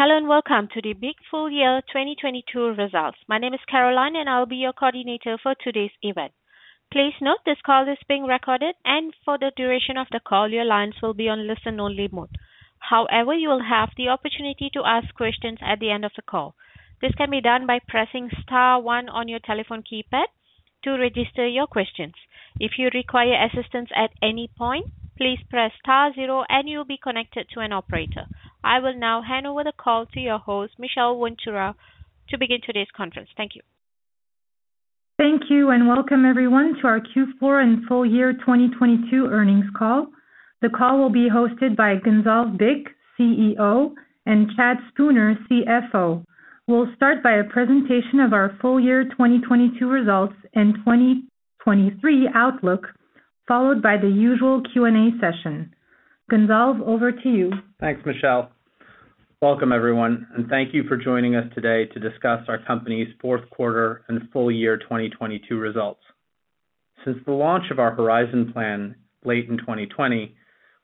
Hello, and welcome to the BIC full year 2022 results. My name is Caroline, and I'll be your coordinator for today's event. Please note this call is being recorded, and for the duration of the call, your lines will be on listen-only mode. However, you will have the opportunity to ask questions at the end of the call. This can be done by pressing Star one on your telephone keypad to register your questions. If you require assistance at any point, please press Star zero and you'll be connected to an operator. I will now hand over the call to your host, Sophie Palliez-Capian, to begin today's conference. Thank you. Thank you, and welcome everyone to our Q4 and full year 2022 earnings call. The call will be hosted by Gonzalve Bich, CEO, and Chad Spooner, CFO. We'll start by a presentation of our full year 2022 results and 2023 outlook, followed by the usual Q&A session. Gonzalve, over to you. Thanks, Michelle. Welcome, everyone. Thank you for joining us today to discuss our company's fourth quarter and full year 2022 results. Since the launch of our Horizon plan late in 2020,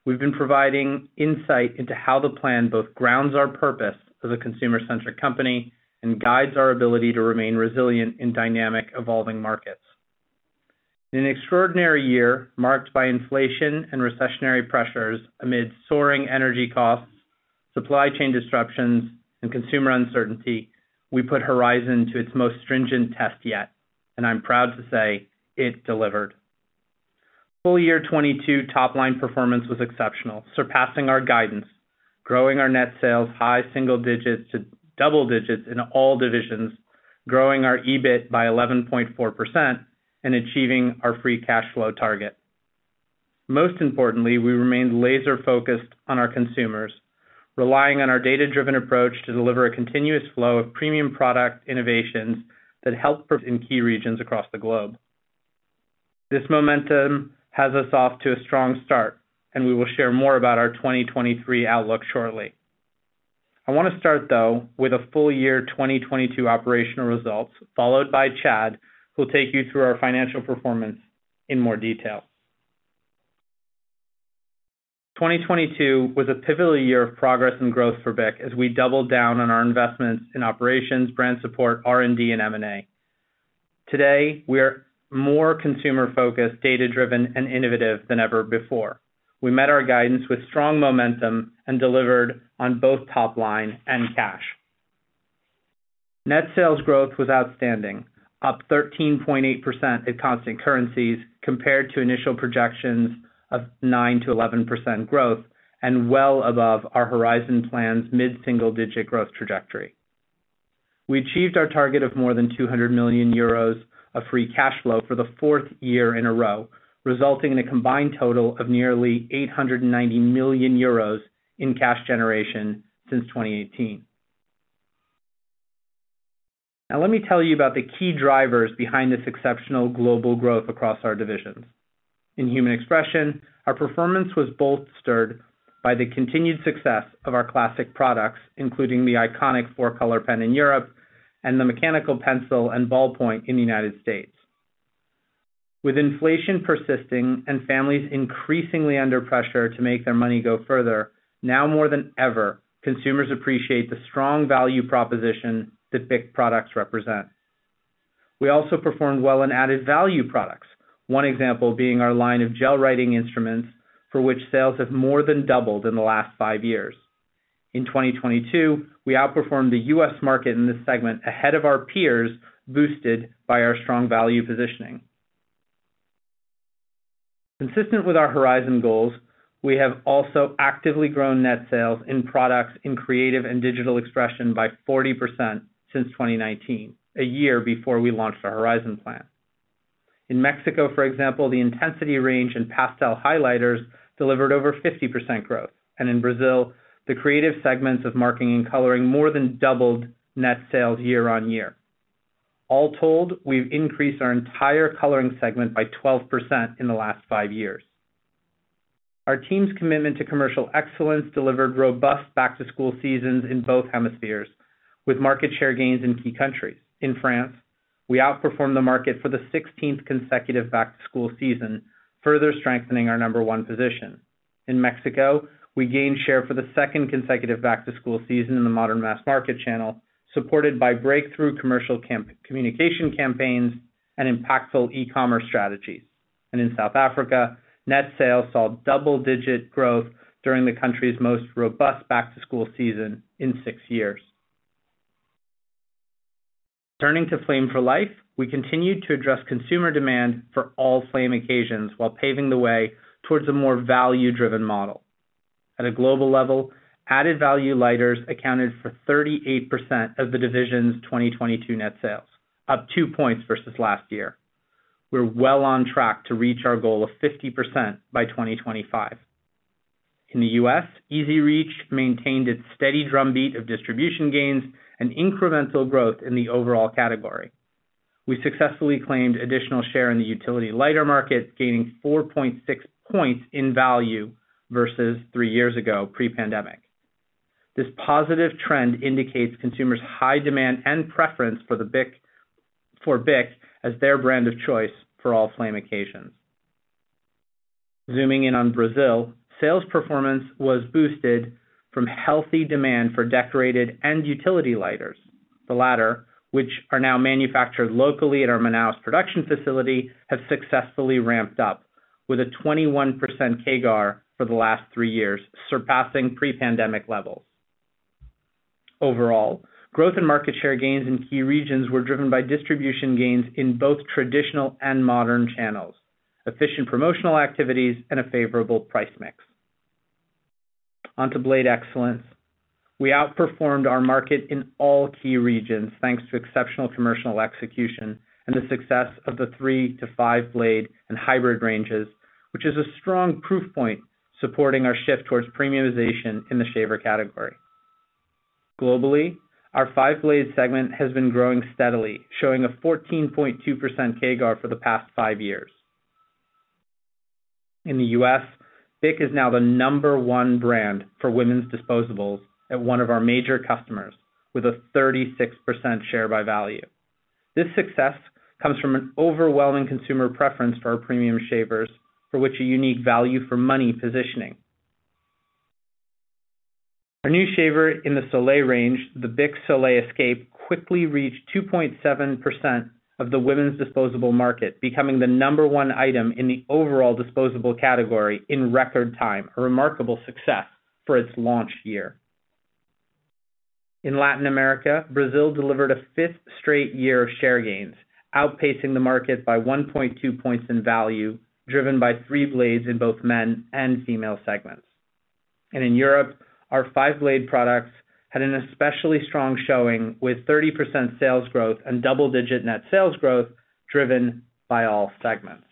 we've been providing insight into how the plan both grounds our purpose as a consumer-centric company and guides our ability to remain resilient in dynamic, evolving markets. In an extraordinary year marked by inflation and recessionary pressures amid soaring energy costs, supply chain disruptions, and consumer uncertainty, we put Horizon to its most stringent test yet, and I'm proud to say it delivered. Full year 2022 top-line performance was exceptional, surpassing our guidance, growing our net sales high single digits to double digits in all divisions, growing our EBIT by 11.4% and achieving our free cash flow target. Most importantly, we remained laser-focused on our consumers, relying on our data-driven approach to deliver a continuous flow of premium product innovations that help in key regions across the globe. This momentum has us off to a strong start, and we will share more about our 2023 outlook shortly. I wanna start, though, with a full year 2022 operational results, followed by Chad, who'll take you through our financial performance in more detail. 2022 was a pivotal year of progress and growth for BIC as we doubled down on our investments in operations, brand support, R&D, and M&A. Today, we are more consumer-focused, data-driven, and innovative than ever before. We met our guidance with strong momentum and delivered on both top line and cash. Net sales growth was outstanding, up 13.8% at constant currencies compared to initial projections of 9%-11% growth and well above our Horizon plan's mid-single digit growth trajectory. We achieved our target of more than 200 million euros of free cash flow for the fourth year in a row, resulting in a combined total of nearly 890 million euros in cash generation since 2018. Let me tell you about the key drivers behind this exceptional global growth across our divisions. In Human Expression, our performance was bolstered by the continued success of our classic products, including the iconic BIC 4-Color pen in Europe and the mechanical pencil and ballpoint in the United States. With inflation persisting and families increasingly under pressure to make their money go further, now more than ever, consumers appreciate the strong value proposition that BIC products represent. We also performed well in added value products. One example being our line of gel writing instruments, for which sales have more than doubled in the last five years. In 2022, we outperformed the U.S. market in this segment ahead of our peers, boosted by our strong value positioning. Consistent with our Horizon goals, we have also actively grown net sales in products in creative and digital expression by 40% since 2019, a year before we launched our Horizon plan. In Mexico, for example, the Intensity range in pastel highlighters delivered over 50% growth. In Brazil, the creative segments of marking and coloring more than doubled net sales year-over-year. All told, we've increased our entire coloring segment by 12% in the last five years. Our team's commitment to commercial excellence delivered robust back-to-school seasons in both hemispheres, with market share gains in key countries. In France, we outperformed the market for the 16th consecutive back-to-school season, further strengthening our number one position. In Mexico, we gained share for the second consecutive back-to-school season in the modern mass market channel, supported by breakthrough commercial communication campaigns and impactful e-commerce strategies. In South Africa, net sales saw double-digit growth during the country's most robust back-to-school season in six years. Turning to Flame For Life, we continued to address consumer demand for all flame occasions while paving the way towards a more value-driven model. At a global level, added value lighters accounted for 38% of the division's 2022 net sales, up two points versus last year. We're well on track to reach our goal of 50% by 2025. In the U.S., EZ Reach maintained its steady drumbeat of distribution gains and incremental growth in the overall category. We successfully claimed additional share in the utility lighter market, gaining 4.6 points in value versus three years ago pre-pandemic. This positive trend indicates consumers' high demand and preference for BIC as their brand of choice for all flame occasions. Zooming in on Brazil, sales performance was boosted from healthy demand for decorated and utility lighters. The latter, which are now manufactured locally at our Manaus production facility, have successfully ramped up with a 21% CAGR for the last three years, surpassing pre-pandemic levels. Growth and market share gains in key regions were driven by distribution gains in both traditional and modern channels, efficient promotional activities, and a favorable price mix. On to Blade Excellence. We outperformed our market in all key regions thanks to exceptional commercial execution and the success of the 3-to-5 blade and hybrid ranges, which is a strong proof point supporting our shift towards premiumization in the shaver category. Globally, our five-blade segment has been growing steadily, showing a 14.2% CAGR for the past five years. In the U.S., BIC is now the number 1 brand for women's disposables at one of our major customers, with a 36% share by value. This success comes from an overwhelming consumer preference for our premium shavers, for which a unique value for money positioning. Our new shaver in the Soleil range, the BIC Soleil Escape, quickly reached 2.7% of the women's disposable market, becoming the number one item in the overall disposable category in record time, a remarkable success for its launch year. In Latin America, Brazil delivered a fifth straight year of share gains, outpacing the market by 1.2 points in value, driven by three blades in both men and female segments. In Europe, our 5-blade products had an especially strong showing with 30% sales growth and double-digit net sales growth driven by all segments.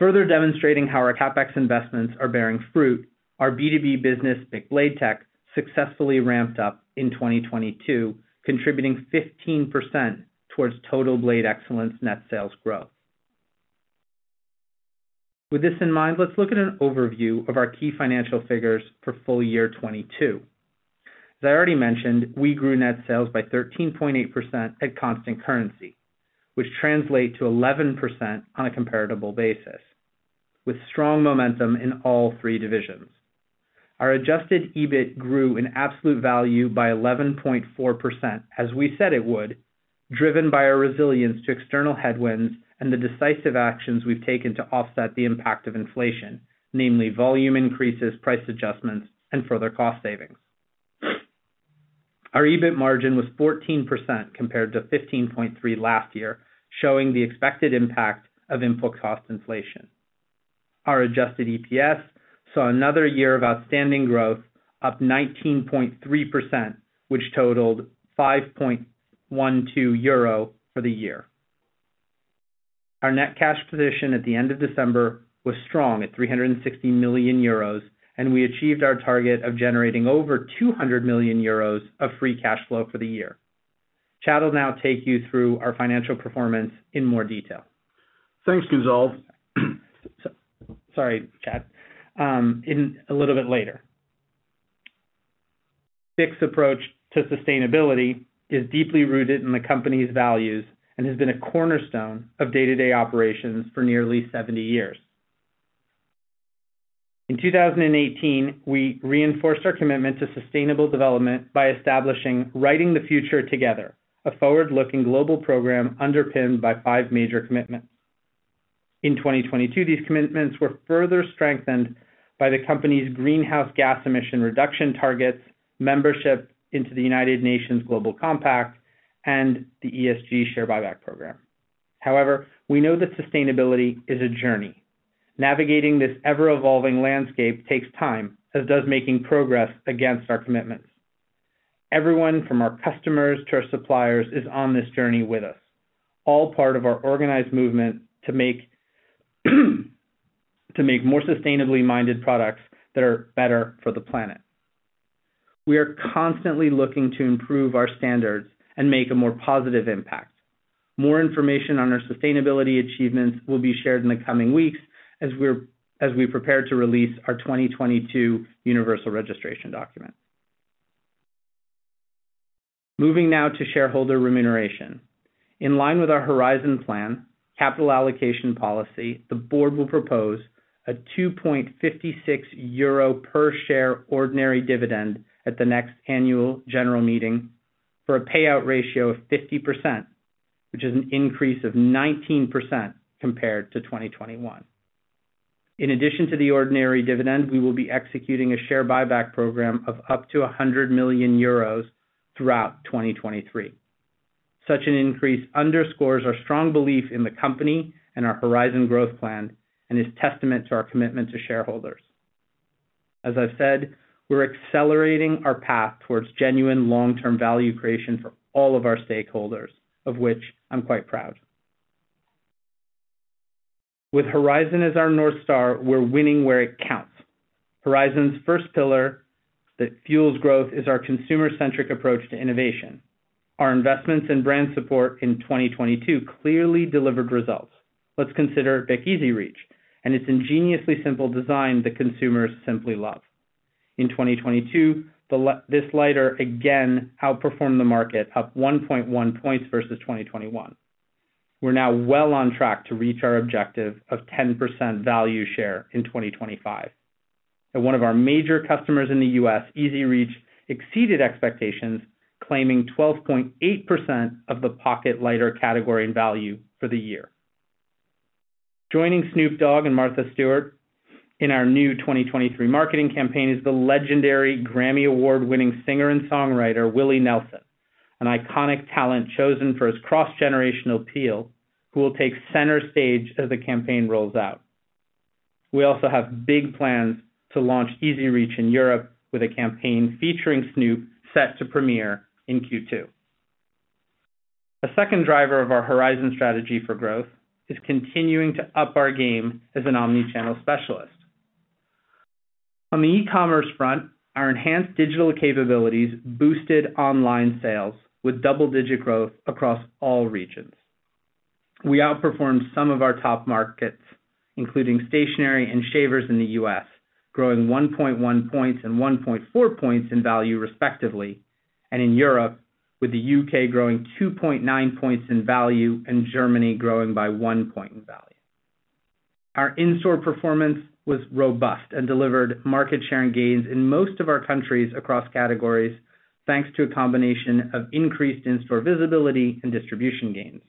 Further demonstrating how our CapEx investments are bearing fruit, our B2B business, BIC Blade Tech, successfully ramped up in 2022, contributing 15% towards total Blade Excellence net sales growth. With this in mind, let's look at an overview of our key financial figures for full year 2022. As I already mentioned, we grew net sales by 13.8% at constant currency, which translate to 11% on a comparable basis with strong momentum in all three divisions. Our adjusted EBIT grew in absolute value by 11.4%, as we said it would, driven by our resilience to external headwinds and the decisive actions we've taken to offset the impact of inflation, namely volume increases, price adjustments, and further cost savings. Our EBIT margin was 14% compared to 15.3% last year, showing the expected impact of input cost inflation. Our adjusted EPS saw another year of outstanding growth, up 19.3%, which totaled 5.12 euro for the year. Our net cash position at the end of December was strong at 360 million euros, and we achieved our target of generating over 200 million euros of free cash flow for the year. Chad will now take you through our financial performance in more detail. Thanks, Gonzalve. Sorry, Chad. In a little bit later. BIC's approach to sustainability is deeply rooted in the company's values and has been a cornerstone of day-to-day operations for nearly 70 years. In 2018, we reinforced our commitment to sustainable development by establishing Writing the Future, Together, a forward-looking global program underpinned by five major commitments. In 2022, these commitments were further strengthened by the company's greenhouse gas emission reduction targets, membership into the United Nations Global Compact, and the ESG share buyback program. We know that sustainability is a journey. Navigating this ever-evolving landscape takes time, as does making progress against our commitments. Everyone from our customers to our suppliers is on this journey with us, all part of our organized movement to make more sustainably-minded products that are better for the planet. We are constantly looking to improve our standards and make a more positive impact. More information on our sustainability achievements will be shared in the coming weeks as we prepare to release our 2022 universal registration document. Moving now to shareholder remuneration. In line with our Horizon plan, capital allocation policy, the board will propose a 2.56 euro per share ordinary dividend at the next annual general meeting for a payout ratio of 50%, which is an increase of 19% compared to 2021. In addition to the ordinary dividend, we will be executing a share buyback program of up to 100 million euros throughout 2023. Such an increase underscores our strong belief in the company and our Horizon growth plan, and is testament to our commitment to shareholders. As I've said, we're accelerating our path towards genuine long-term value creation for all of our stakeholders, of which I'm quite proud. With Horizon as our North Star, we're winning where it counts. Horizon's first pillar that fuels growth is our consumer-centric approach to innovation. Our investments and brand support in 2022 clearly delivered results. Let's consider BIC EZ Reach and its ingeniously simple design that consumers simply love. In 2022, this lighter again outperformed the market, up 1.1 points versus 2021. We're now well on track to reach our objective of 10% value share in 2025. At one of our major customers in the U.S., EZ Reach exceeded expectations, claiming 12.8% of the pocket lighter category and value for the year. Joining Snoop Dogg and Martha Stewart in our new 2023 marketing campaign is the legendary Grammy Award-winning singer and songwriter Willie Nelson, an iconic talent chosen for his cross-generational appeal, who will take center stage as the campaign rolls out. We also have big plans to launch EZ Reach in Europe with a campaign featuring Snoop set to premiere in Q2. A second driver of our Horizon strategy for growth is continuing to up our game as an omni-channel specialist. On the e-commerce front, our enhanced digital capabilities boosted online sales with double-digit growth across all regions. We outperformed some of our top markets, including stationery and shavers in the U.S., growing 1.1 points and 1.4 points in value respectively, and in Europe, with the U.K. growing 2.9 points in value and Germany growing by 1 point in value. Our in-store performance was robust and delivered market share and gains in most of our countries across categories, thanks to a combination of increased in-store visibility and distribution gains.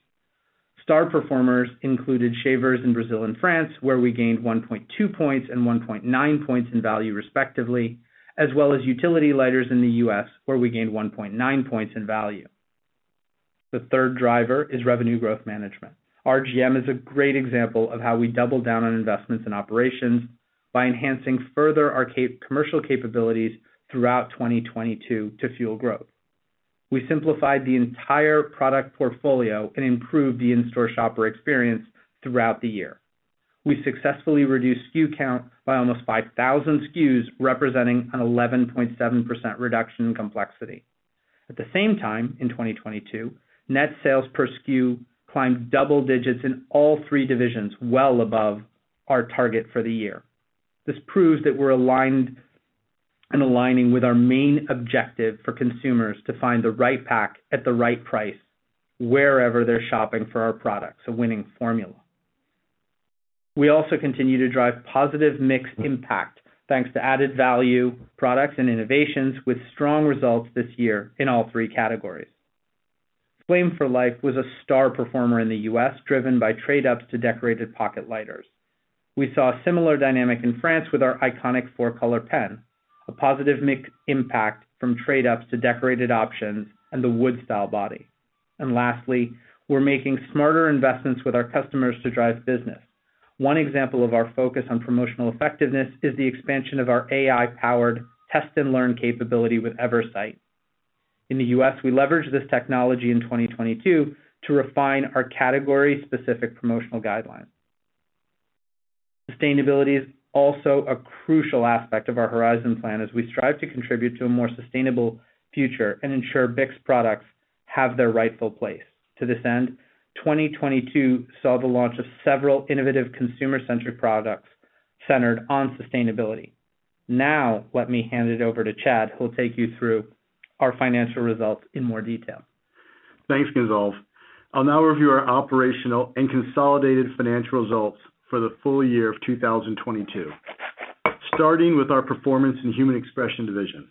Star performers included shavers in Brazil and France, where we gained 1.2 points and 1.9 points in value respectively, as well as utility lighters in the U.S., where we gained 1.9 points in value. The third driver is revenue growth management. RGM is a great example of how we double down on investments in operations by enhancing further our commercial capabilities throughout 2022 to fuel growth. We simplified the entire product portfolio and improved the in-store shopper experience throughout the year. We successfully reduced SKU count by almost 5,000 SKUs, representing an 11.7% reduction in complexity. At the same time, in 2022, net sales per SKU climbed double digits in all three divisions, well above our target for the year. This proves that we're aligned and aligning with our main objective for consumers to find the right pack at the right price wherever they're shopping for our products, a winning formula. We also continue to drive positive mix impact, thanks to added value products and innovations with strong results this year in all threecategories. Flame For Life was a star performer in the U.S., driven by trade ups to decorated pocket lighters. We saw a similar dynamic in France with our iconic 4-Color pen, a positive mix impact from trade ups to decorated options and the wood style body. Lastly, we're making smarter investments with our customers to drive business. One example of our focus on promotional effectiveness is the expansion of our AI-powered test and learn capability with Eversight. In the U.S., we leveraged this technology in 2022 to refine our category-specific promotional guidelines. Sustainability is also a crucial aspect of our Horizon plan as we strive to contribute to a more sustainable future and ensure BIC's products have their rightful place. To this end, 2022 saw the launch of several innovative consumer-centric products centered on sustainability. Let me hand it over to Chad, who will take you through our financial results in more detail. Thanks, Gonzalve. I'll now review our operational and consolidated financial results for the full year of 2022. Starting with our performance in Human Expression division.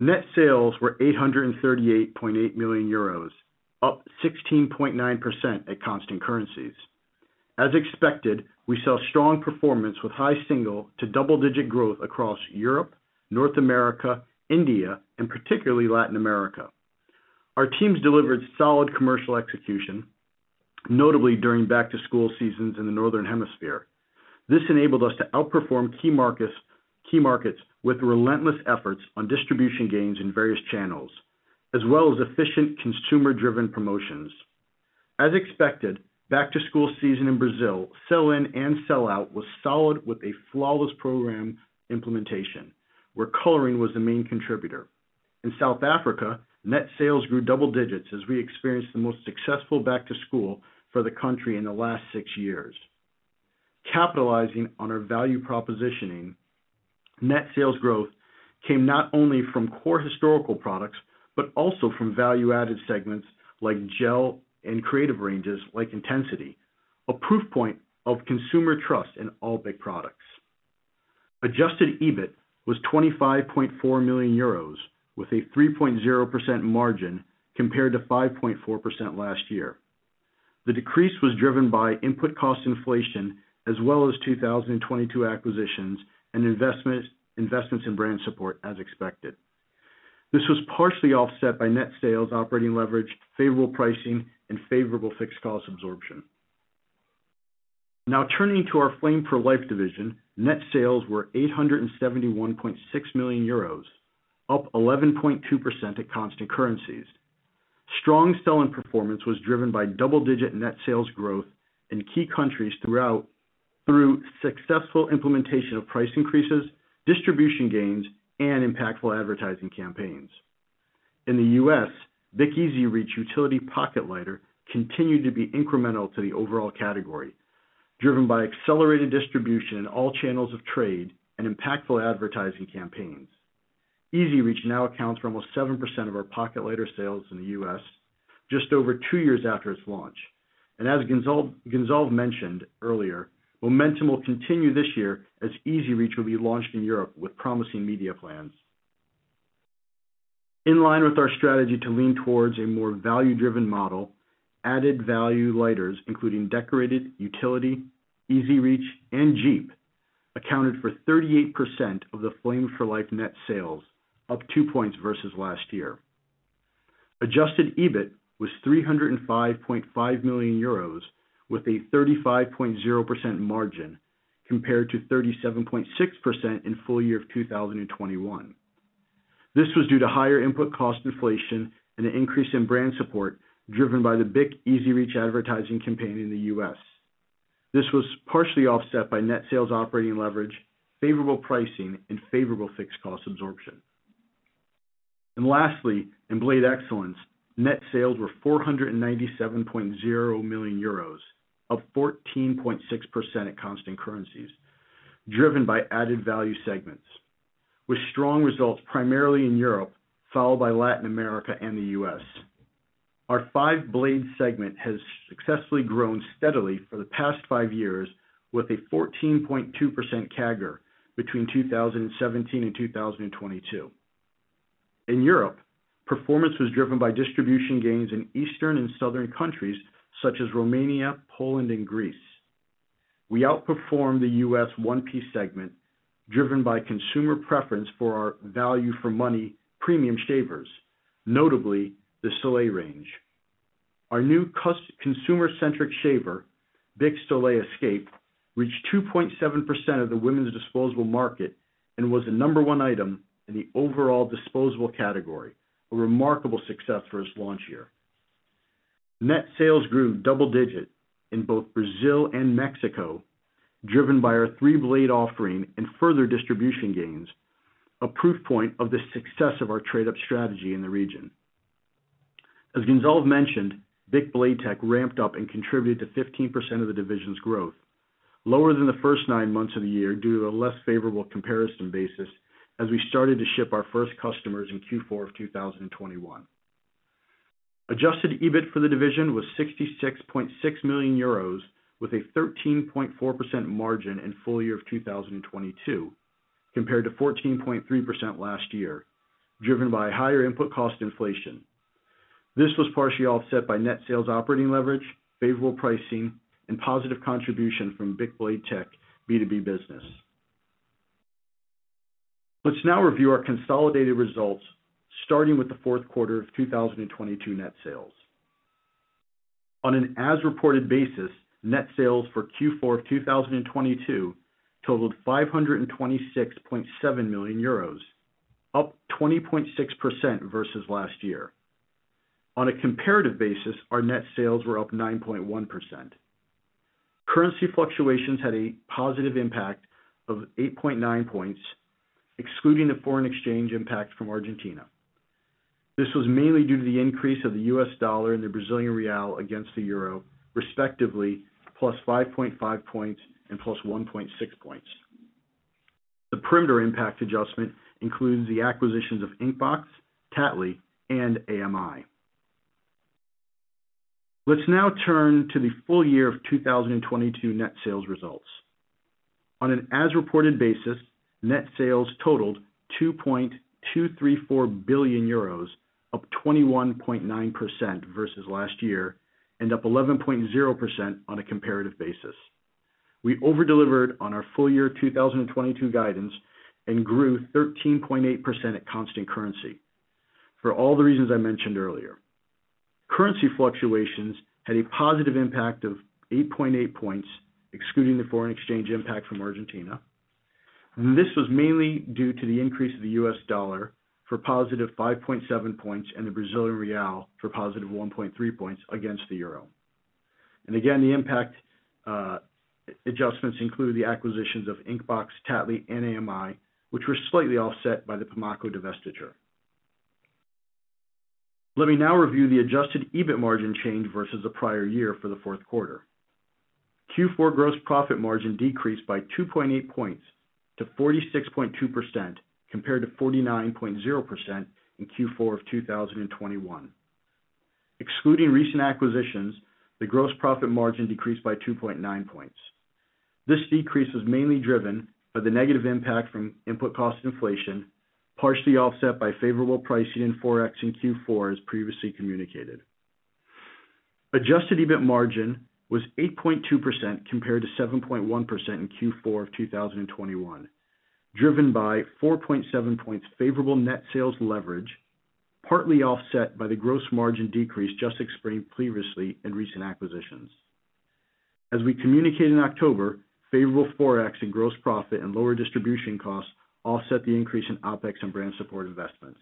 Net sales were 838.8 million euros, up 16.9% at constant currencies. As expected, we saw strong performance with high single to double-digit growth across Europe, North America, India, and particularly Latin America. Our teams delivered solid commercial execution, notably during back-to-school seasons in the Northern Hemisphere. This enabled us to outperform key markets with relentless efforts on distribution gains in various channels, as well as efficient consumer-driven promotions. As expected, back-to-school season in Brazil, sell-in and sell-out was solid with a flawless program implementation, where coloring was the main contributor. In South Africa, net sales grew double digits as we experienced the most successful back to school for the country in the last six years. Capitalizing on our value propositioning, net sales growth came not only from core historical products, but also from value-added segments like gel and creative ranges like Intensity, a proof point of consumer trust in all BIC products. adjusted EBIT was 25.4 million euros, with a 3.0% margin compared to 5.4% last year. The decrease was driven by input cost inflation as well as 2022 acquisitions and investments in brand support as expected. This was partially offset by net sales, operating leverage, favorable pricing, and favorable fixed cost absorption. Turning to our Flame for Life division, net sales were 871.6 million euros, up 11.2% at constant currencies. Strong selling performance was driven by double-digit net sales growth in key countries through successful implementation of price increases, distribution gains, and impactful advertising campaigns. In the U.S., BIC EZ Reach Utility Pocket Lighter continued to be incremental to the overall category, driven by accelerated distribution in all channels of trade and impactful advertising campaigns. EZ Reach now accounts for almost 7% of our pocket lighter sales in the U.S., just over two years after its launch. As Gonzalve mentioned earlier, momentum will continue this year as EZ Reach will be launched in Europe with promising media plans. In line with our strategy to lean towards a more value-driven model, added value lighters including decorated, utility, EZ Reach, and Jeep, accounted for 38% of the Flame For Life net sales, up two points versus last year. Adjusted EBIT was 305.5 million euros, with a 35.0% margin compared to 37.6% in full year 2021. This was due to higher input cost inflation and an increase in brand support, driven by the BIC EZ Reach advertising campaign in the U.S. This was partially offset by net sales operating leverage, favorable pricing, and favorable fixed cost absorption. Lastly, in Blade Excellence, net sales were 497.0 million euros, up 14.6% at constant currencies, driven by added value segments, with strong results primarily in Europe, followed by Latin America and the U.S. Our five-blade segment has successfully grown steadily for the past five years, with a 14.2% CAGR between 2017 and 2022. In Europe, performance was driven by distribution gains in Eastern and Southern countries such as Romania, Poland, and Greece. We outperformed the U.S. 1-piece segment, driven by consumer preference for our value for money premium shavers, notably the Soleil range. Our new consumer-centric shaver, BIC Soleil Escape, reached 2.7% of the women's disposable market and was the number one item in the overall disposable category, a remarkable success for its launch year. Net sales grew double digit in both Brazil and Mexico, driven by our three-blade offering and further distribution gains, a proof point of the success of our trade-up strategy in the region. As Gonzalve mentioned, BIC Blade Tech ramped up and contributed to 15% of the division's growth, lower than the first nine months of the year due to a less favorable comparison basis as we started to ship our first customers in Q4 of 2021. Adjusted EBIT for the division was 66.6 million euros with a 13.4% margin in full year of 2022, compared to 14.3% last year, driven by higher input cost inflation. This was partially offset by net sales operating leverage, favorable pricing, and positive contribution from BIC Blade Tech B2B business. Let's now review our consolidated results, starting with the fourth quarter of 2022 net sales. On an as-reported basis, net sales for Q4 of 2022 totaled 526.7 million euros, up 20.6% versus last year. On a comparative basis, our net sales were up 9.1%. Currency fluctuations had a positive impact of points, excluding the foreign exchange impact from Argentina. to 46.2% compared to 49.0% in Q4 of 2021. Excluding recent acquisitions, the gross profit margin decreased by 2.9 points. This decrease was mainly driven by the negative impact from input cost inflation, partially offset by favorable pricing in ForEx in Q4 as previously communicated. Adjusted EBIT margin was 8.2% compared to 7.1% in Q4 of 2021, driven by 4.7 points favorable net sales leverage, partly offset by the gross margin decrease just explained previously in recent acquisitions. As we communicated in October, favorable ForEx and gross profit and lower distribution costs offset the increase in OpEx and brand support investments.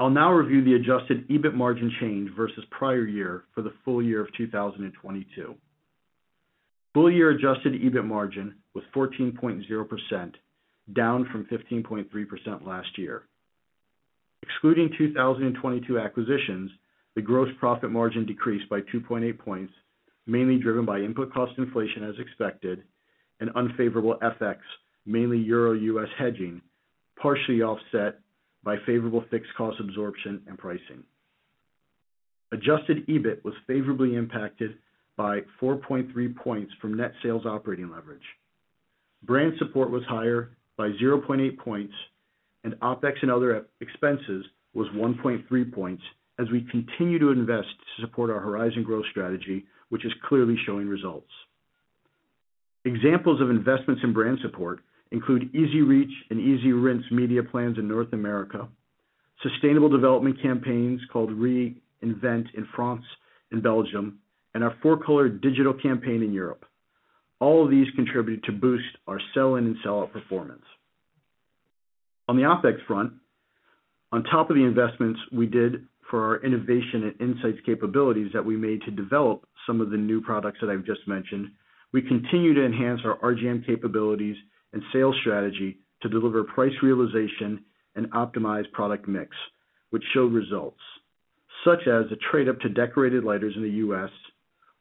I'll now review the adjusted EBIT margin change versus prior year for the full year of 2022. Full year adjusted EBIT margin was 14.0%, down from 15.3% last year. Excluding 2022 acquisitions, the gross profit margin decreased by 2.8 points, mainly driven by input cost inflation as expected and unfavorable FX, mainly EUR USD hedging, partially offset by favorable fixed cost absorption and pricing. Adjusted EBIT was favorably impacted by 4.3 points from net sales operating leverage. Brand support was higher by 0.8 points and OpEx and other expenses was 1.3 points as we continue to invest to support our Horizon growth strategy, which is clearly showing results. Examples of investments in brand support include EZ Reach and EasyRinse media plans in North America, sustainable development campaigns called REINVENT in France and Belgium, and our 4-Color digital campaign in Europe. All of these contributed to boost our sell-in and sell-out performance. On the OpEx front, on top of the investments we did for our innovation and insights capabilities that we made to develop some of the new products that I've just mentioned, we continue to enhance our RGM capabilities and sales strategy to deliver price realization and optimized product mix, which showed results, such as a trade-up to decorated lighters in the U.S.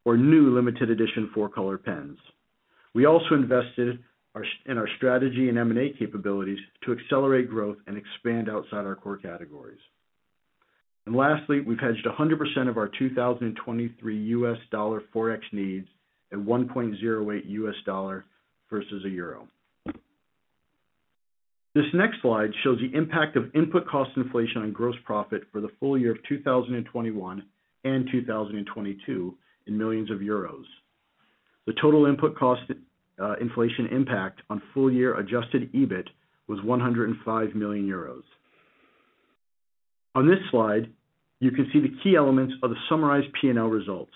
or new limited edition 4-Color pens. We also invested in our strategy and M&A capabilities to accelerate growth and expand outside our core categories. Lastly, we've hedged 100% of our 2023 US dollar Forex needs at 1.08 US dollar versus a EUR. This next slide shows the impact of input cost inflation on gross profit for the full year of 2021 and 2022 in millions of euros. The total input cost inflation impact on full year adjusted EBIT was 105 million euros. On this slide, you can see the key elements of the summarized P&L results.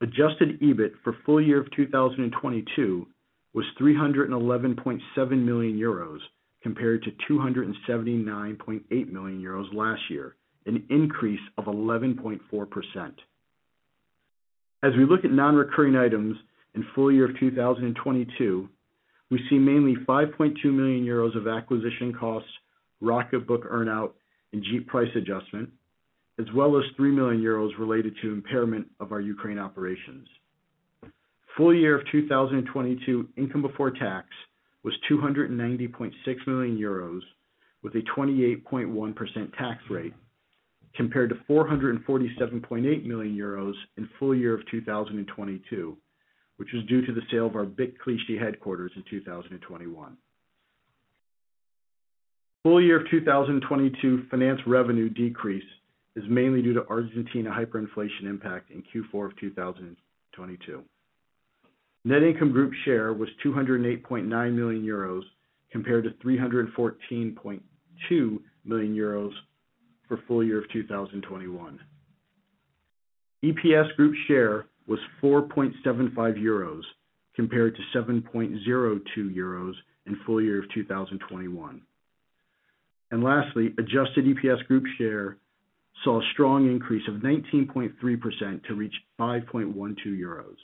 Adjusted EBIT for full year of 2022 was 311.7 million euros compared to 279.8 million euros last year, an increase of 11.4%. As we look at non-recurring items in full year of 2022, we see mainly 5.2 million euros of acquisition costs, Rocketbook earn-out, and Jeep price adjustment, as well as three million euros related to impairment of our Ukraine operations. Full year of 2022 income before tax was 290.6 million euros with a 28.1% tax rate compared to 447.8 million euros in full year of 2022, which was due to the sale of our BIC Clichy headquarters in 2021. Full year of 2022 finance revenue decrease is mainly due to Argentina hyperinflation impact in Q4 2022. Net income group share was 208.9 million euros compared to 314.2 million euros for full year of 2021. EPS group share was 4.75 euros compared to 7.02 euros in full year of 2021. Lastly, adjusted EPS group share saw a strong increase of 19.3% to reach 5.12 euros.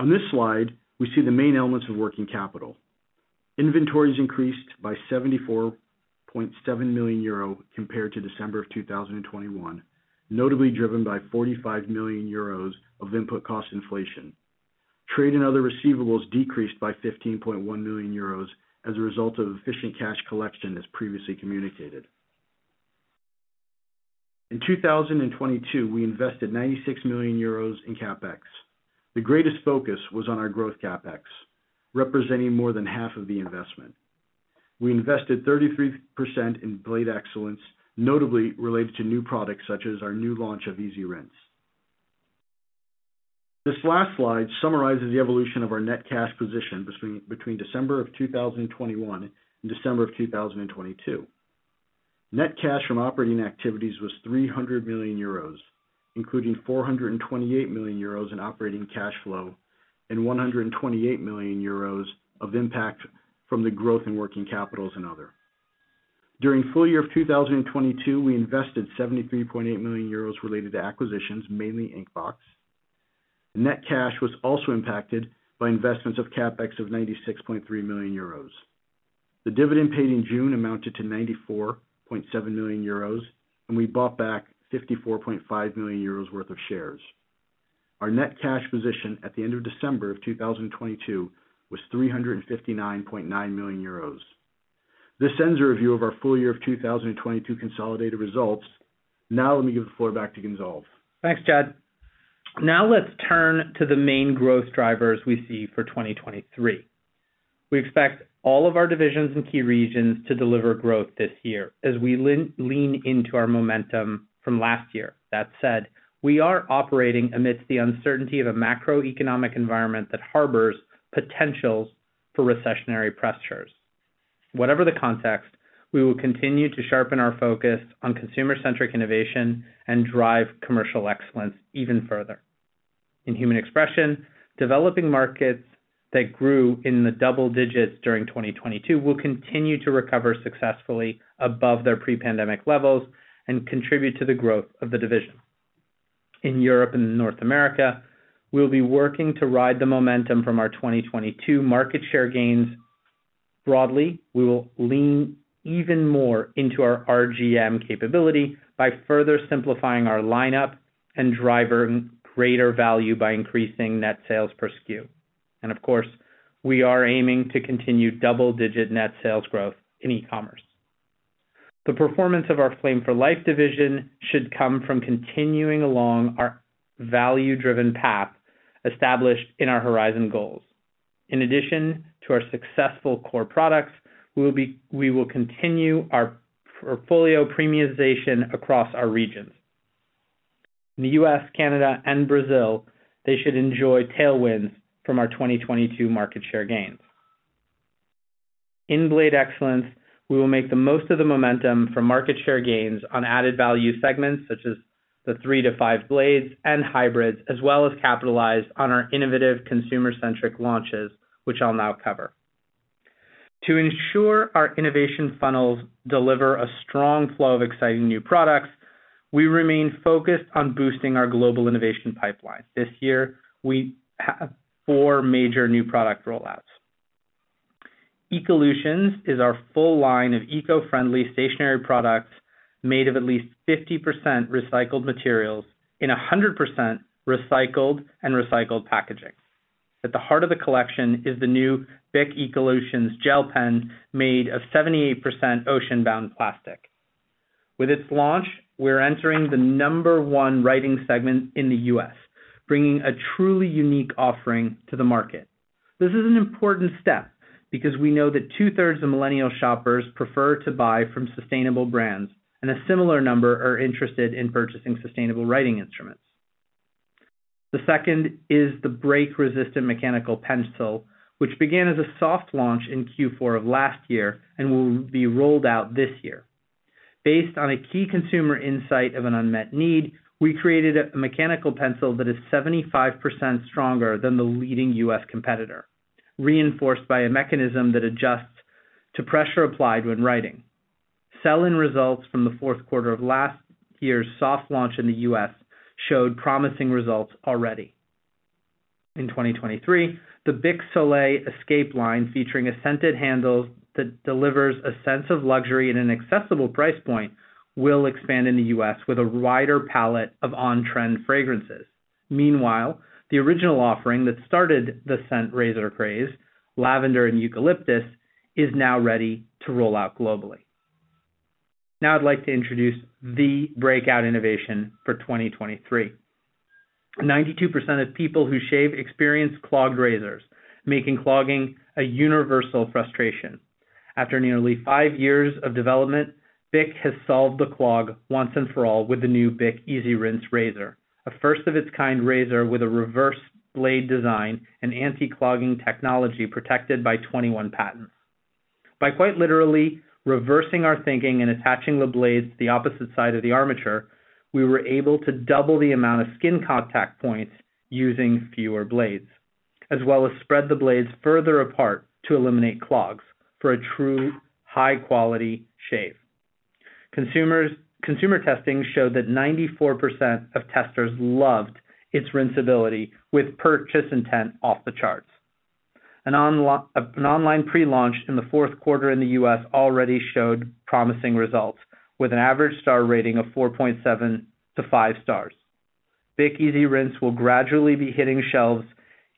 On this slide, we see the main elements of working capital. Inventories increased by 74.7 million euro compared to December of 2021, notably driven by 45 million euros of input cost inflation. Trade and other receivables decreased by 15.1 million euros as a result of efficient cash collection, as previously communicated. In 2022, we invested 96 million euros in CapEx. The greatest focus was on our growth CapEx, representing more than half of the investment. We invested 33% in Blade Excellence, notably related to new products such as our new launch of EasyRinse. This last slide summarizes the evolution of our net cash position between December of 2021 and December of 2022. Net cash from operating activities was 300 million euros, including 428 million euros in operating cash flow and 128 million euros of impact from the growth in working capital and other. During full year of 2022, we invested 73.8 million euros related to acquisitions, mainly Inkbox. Net cash was also impacted by investments of CapEx of 96.3 million euros. The dividend paid in June amounted to 94.7 million euros. We bought back 54.5 million euros worth of shares. Our net cash position at the end of December 2022 was 359.9 million euros. This ends the review of our full year 2022 consolidated results. Now let me give the floor back to Gonzalve. Thanks, Chad. Let's turn to the main growth drivers we see for 2023. We expect all of our divisions and key regions to deliver growth this year as we lean into our momentum from last year. We are operating amidst the uncertainty of a macroeconomic environment that harbors potentials for recessionary pressures. We will continue to sharpen our focus on consumer-centric innovation and drive commercial excellence even further. In Human Expression, developing markets that grew in the double digits during 2022 will continue to recover successfully above their pre-pandemic levels and contribute to the growth of the division. In Europe and North America, we'll be working to ride the momentum from our 2022 market share gains. We will lean even more into our RGM capability by further simplifying our lineup and drive greater value by increasing net sales per SKU. Of course, we are aiming to continue double-digit net sales growth in e-commerce. The performance of our Flame For Life division should come from continuing along our value-driven path established in our Horizon goals. In addition to our successful core products, we will continue our portfolio premiumization across our regions. In the U.S., Canada and Brazil, they should enjoy tailwinds from our 2022 market share gains. In Blade Excellence, we will make the most of the momentum from market share gains on added value segments such as the 3-5 blades and hybrids, as well as capitalize on our innovative consumer-centric launches, which I'll now cover. To ensure our innovation funnels deliver a strong flow of exciting new products, we remain focused on boosting our global innovation pipeline. This year, we have four major new product rollouts. Ecolutions is our full line of eco-friendly stationery products made of at least 50% recycled materials in 100% recycled and recycled packaging. At the heart of the collection is the new BIC Ecolutions gel pen made of 78% ocean-bound plastic. With its launch, we're entering the number one writing segment in the U.S., bringing a truly unique offering to the market. This is an important step because we know that two-thirds of millennial shoppers prefer to buy from sustainable brands, and a similar number are interested in purchasing sustainable writing instruments. The second is the break-resistant mechanical pencil, which began as a soft launch in Q4 of last year and will be rolled out this year. Based on a key consumer insight of an unmet need, we created a mechanical pencil that is 75% stronger than the leading U.S. competitor, reinforced by a mechanism that adjusts to pressure applied when writing. Sell-in results from the fourth quarter of last year's soft launch in the U.S. showed promising results already. In 2023, the BIC Soleil Escape line, featuring a scented handle that delivers a sense of luxury at an accessible price point, will expand in the U.S. with a wider palette of on-trend fragrances. Meanwhile, the original offering that started the scent razor craze, lavender and eucalyptus, is now ready to roll out globally. Now I'd like to introduce the breakout innovation for 2023. 92% of people who shave experience clogged razors, making clogging a universal frustration. After nearly five years of development, BIC has solved the clog once and for all with the new BIC EasyRinse razor, a first-of-its-kind razor with a reverse blade design and anti-clogging technology protected by 21 patents. By quite literally reversing our thinking and attaching the blades to the opposite side of the armature, we were able to double the amount of skin contact points using fewer blades, as well as spread the blades further apart to eliminate clogs for a true high-quality shave. Consumer testing showed that 94% of testers loved its rinsability with purchase intent off the charts. An online pre-launch in the fourth quarter in the U.S. already showed promising results with an average star rating of 4.7-5 stars. BIC EasyRinse will gradually be hitting shelves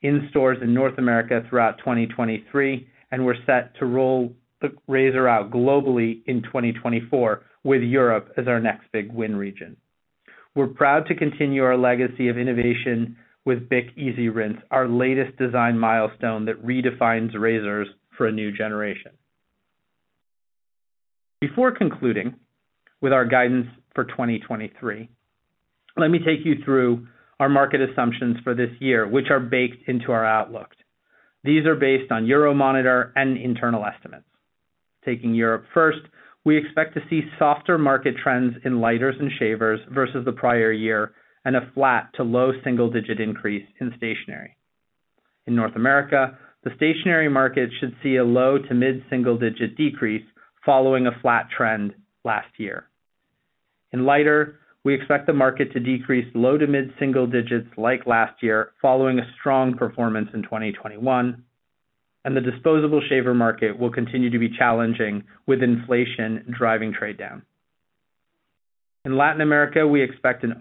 in stores in North America throughout 2023, and we're set to roll the razor out globally in 2024, with Europe as our next big win region. We're proud to continue our legacy of innovation with BIC EasyRinse, our latest design milestone that redefines razors for a new generation. Before concluding with our guidance for 2023, let me take you through our market assumptions for this year, which are baked into our outlooks. These are based on Euromonitor and internal estimates. Taking Europe first, we expect to see softer market trends in lighters and shavers versus the prior year, and a flat to low single-digit increase in stationery. In North America, the stationery market should see a low to mid-single digit decrease following a flat trend last year. In lighter, we expect the market to decrease low to mid-single digits like last year, following a strong performance in 2021, and the disposable shaver market will continue to be challenging with inflation driving trade down. In Latin America, we expect an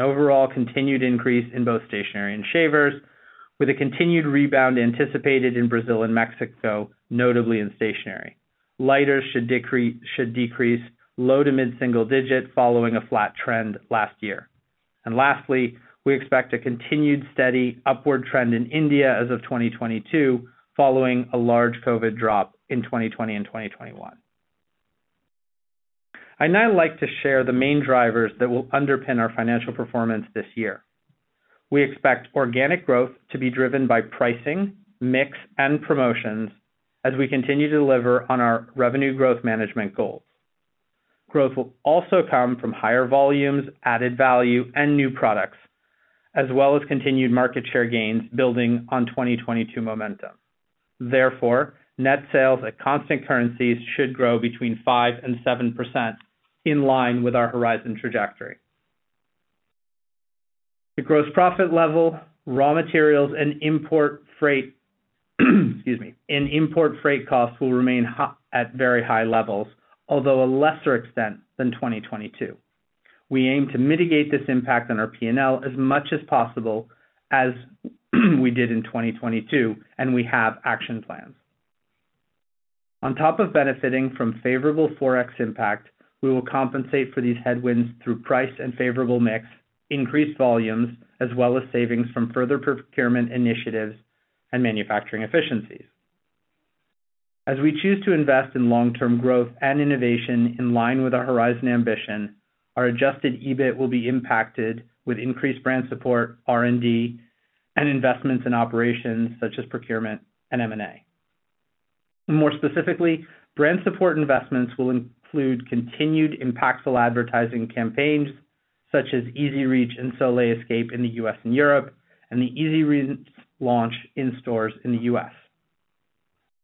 overall continued increase in both stationery and shavers, with a continued rebound anticipated in Brazil and Mexico, notably in stationery. Lighters should decrease low to mid-single digit following a flat trend last year. Lastly, we expect a continued steady upward trend in India as of 2022, following a large COVID drop in 2020 and 2021. I'd now like to share the main drivers that will underpin our financial performance this year. We expect organic growth to be driven by pricing, mix, and promotions as we continue to deliver on our revenue growth management goals. Growth will also come from higher volumes, added value, and new products, as well as continued market share gains building on 2022 momentum. Net sales at constant currencies should grow between 5% and 7% in line with our Horizon trajectory. The gross profit level, raw materials, excuse me, and import freight costs will remain at very high levels, although a lesser extent than 2022. We aim to mitigate this impact on our P&L as much as possible as we did in 2022, and we have action plans. On top of benefiting from favorable forex impact, we will compensate for these headwinds through price and favorable mix, increased volumes, as well as savings from further procurement initiatives and manufacturing efficiencies. As we choose to invest in long-term growth and innovation in line with our Horizon ambition, our adjusted EBIT will be impacted with increased brand support, R&D, and investments in operations such as procurement and M&A. More specifically, brand support investments will include continued impactful advertising campaigns such as EZ Reach and Soleil Escape in the U.S. and Europe and the EZ Reach launch in stores in the U.S.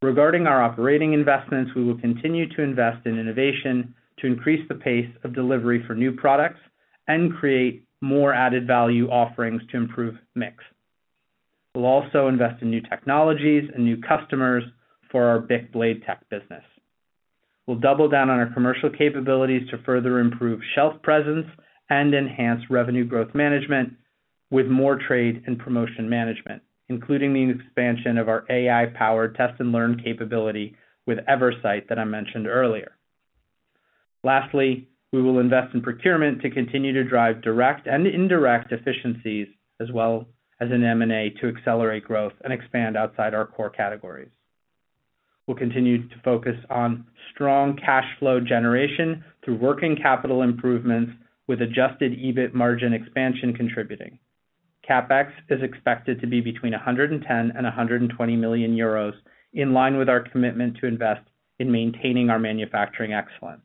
Regarding our operating investments, we will continue to invest in innovation to increase the pace of delivery for new products and create more added value offerings to improve mix. We'll also invest in new technologies and new customers for our BIC Blade Tech business. We'll double down on our commercial capabilities to further improve shelf presence and enhance revenue growth management with more trade and promotion management, including the expansion of our AI-powered test and learn capability with Eversight that I mentioned earlier. Lastly, we will invest in procurement to continue to drive direct and indirect efficiencies as well as in M&A to accelerate growth and expand outside our core categories. We'll continue to focus on strong cash flow generation through working capital improvements with adjusted EBIT margin expansion contributing. CapEx is expected to be between 110 million and 120 million euros in line with our commitment to invest in maintaining our manufacturing excellence.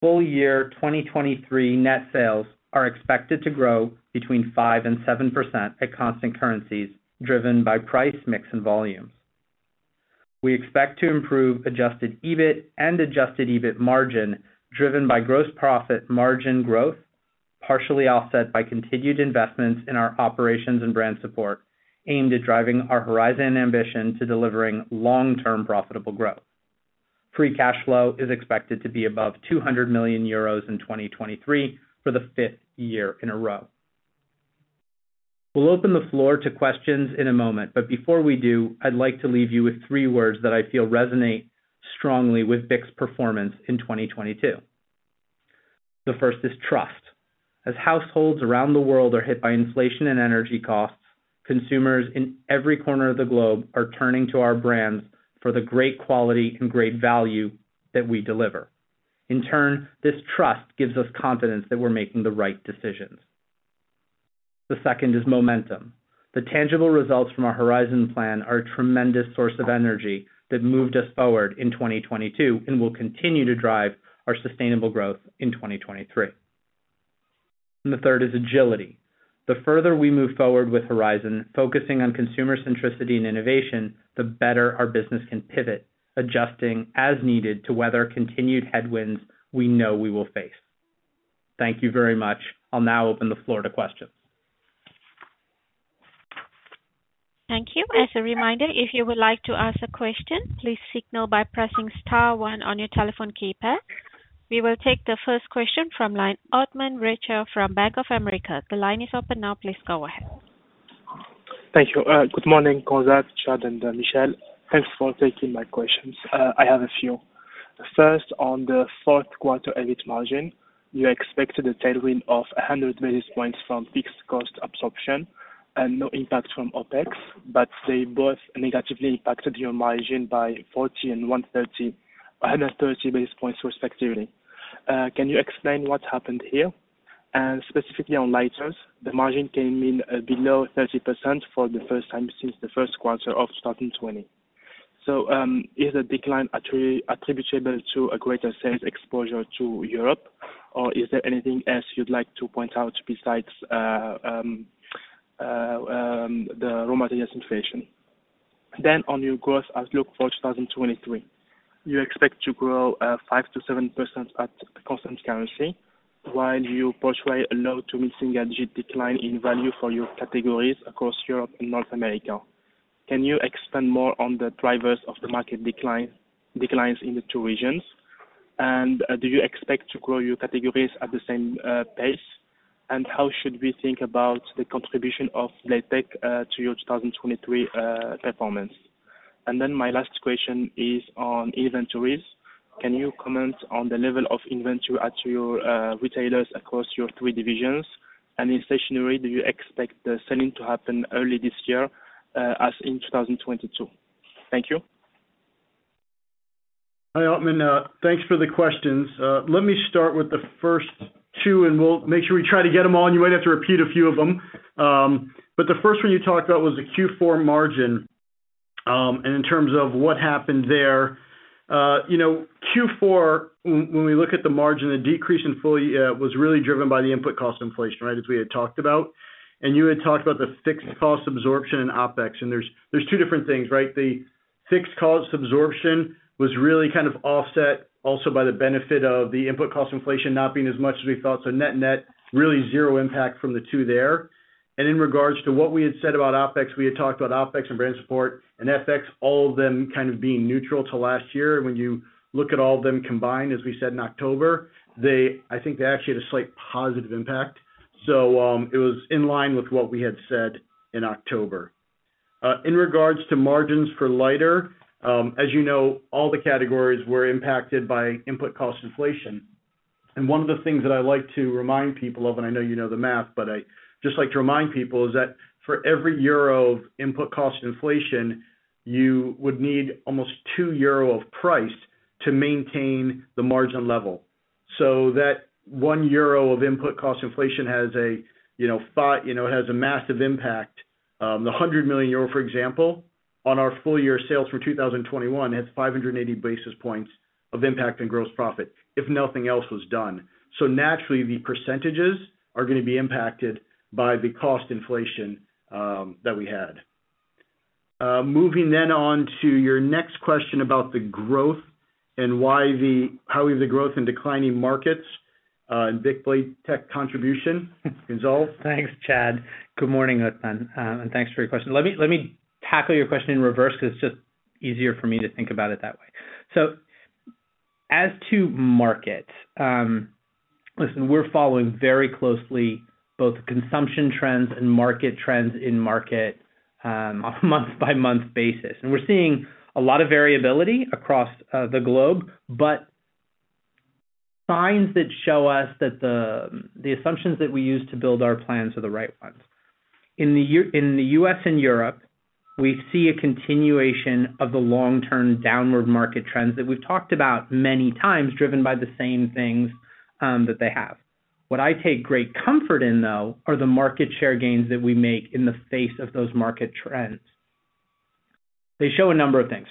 Full year 2023 net sales are expected to grow between 5% and 7% at constant currencies driven by price mix and volumes. We expect to improve adjusted EBIT and adjusted EBIT margin driven by gross profit margin growth, partially offset by continued investments in our operations and brand support aimed at driving our Horizon ambition to delivering long-term profitable growth. Free cash flow is expected to be above 200 million euros in 2023 for the fifth year in a row. Before we do, I'd like to leave you with three words that I feel resonate strongly with BIC's performance in 2022. The first is trust. As households around the world are hit by inflation and energy costs, consumers in every corner of the globe are turning to our brands for the great quality and great value that we deliver. In turn, this trust gives us confidence that we're making the right decisions. The second is momentum. The tangible results from our Horizon plan are a tremendous source of energy that moved us forward in 2022 and will continue to drive our sustainable growth in 2023. The third is agility. The further we move forward with Horizon, focusing on consumer centricity and innovation, the better our business can pivot, adjusting as needed to weather continued headwinds we know we will face. Thank you very much. I'll now open the floor to questions. Thank you. As a reminder, if you would like to ask a question, please signal by pressing star one on your telephone keypad. We will take the first question from line Othman, Rachel from Bank of America. The line is open now. Please go ahead. Thank you. Good morning, Gonzalve, Chad, and Michelle. Thanks for taking my questions. I have a few. First, on the fourth quarter EBIT margin, you expected a tailwind of 100 basis points from fixed cost absorption and no impact from OpEx, but they both negatively impacted your margin by 40 and 130 basis points respectively. Can you explain what happened here? Specifically on lighters, the margin came in below 30% for the first time since the first quarter of 2020. Is the decline attributable to a greater sales exposure to Europe, or is there anything else you'd like to point out besides the raw materials inflation? On your growth outlook for 2023, you expect to grow 5%-7% at constant currency while you portray a low to mid-single-digit decline in value for your categories across Europe and North America. Can you expand more on the drivers of the market decline, declines in the two regions? Do you expect to grow your categories at the same pace? How should we think about the contribution of Blade Tech to your 2023 performance? My last question is on inventories. Can you comment on the level of inventory at your retailers across your three divisions? In stationery, do you expect the sell-in to happen early this year as in 2022? Thank you. Hi, Othman. Thanks for the questions. Let me start with the first two. We'll make sure we try to get them all. You might have to repeat a few of them. The first one you talked about was the Q4 margin. In terms of what happened there, you know, Q4, when we look at the margin, the decrease in full, was really driven by the input cost inflation, right? As we had talked about. You had talked about the fixed cost absorption and OpEx. There's two different things, right? The fixed cost absorption was really kind of offset also by the benefit of the input cost inflation not being as much as we thought. Net-net, really 0 impact from the two there. In regards to what we had said about OpEx, we had talked about OpEx and brand support and FX, all of them kind of being neutral to last year. When you look at all of them combined, as we said in October, they, I think they actually had a slight positive impact. It was in line with what we had said in October. In regards to margins for lighter, as you know, all the categories were impacted by input cost inflation. One of the things that I like to remind people of, and I know you know the math, but I just like to remind people, is that for every EUR of input cost inflation, you would need almost two EUR of price to maintain the margin level. That 1 euro of input cost inflation has a, you know, has a massive impact. The 100 million euro, for example, on our full year sales for 2021, has 580 basis points of impact on gross profit if nothing else was done. Naturally, the percentages are gonna be impacted by the cost inflation that we had. Moving on to your next question about the growth and why how we have the growth in declining markets, and BIC Blade Tech contribution, Ghazal. Thanks, Chad. Good morning, Othman, and thanks for your question. Let me tackle your question in reverse because it's just easier for me to think about it that way. As to market, listen, we're following very closely both consumption trends and market trends in market on a month-by-month basis. We're seeing a lot of variability across the globe, but signs that show us that the assumptions that we use to build our plans are the right ones. In the US and Europe, we see a continuation of the long-term downward market trends that we've talked about many times, driven by the same things that they have. What I take great comfort in, though, are the market share gains that we make in the face of those market trends. They show a number of things.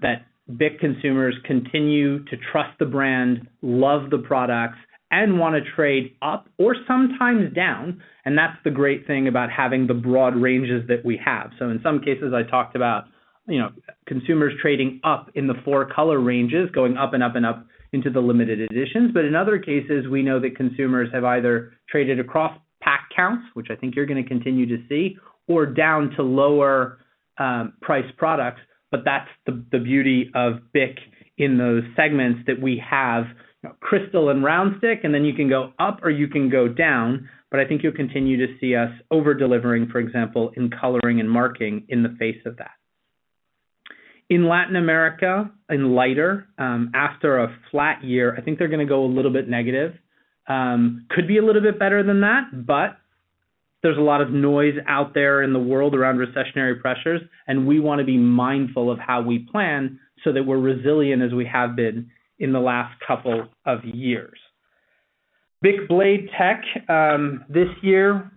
That BIC consumers continue to trust the brand, love the products, and wanna trade up or sometimes down, and that's the great thing about having the broad ranges that we have. In some cases, I talked about, you know, consumers trading up in the 4-Color ranges, going up and up and up into the limited editions. In other cases, we know that consumers have either traded across pack counts, which I think you're gonna continue to see, or down to lower price products, but that's the beauty of BIC in those segments that we have, Cristal and Round Stic. You can go up or you can go down. I think you'll continue to see us over-delivering, for example, in coloring and marking in the face of that. In Latin America, in lighter, after a flat year, I think they're gonna go a little bit negative. Could be a little bit better than that, but there's a lot of noise out there in the world around recessionary pressures, and we wanna be mindful of how we plan so that we're resilient as we have been in the last couple of years. BIC Blade Tech this year,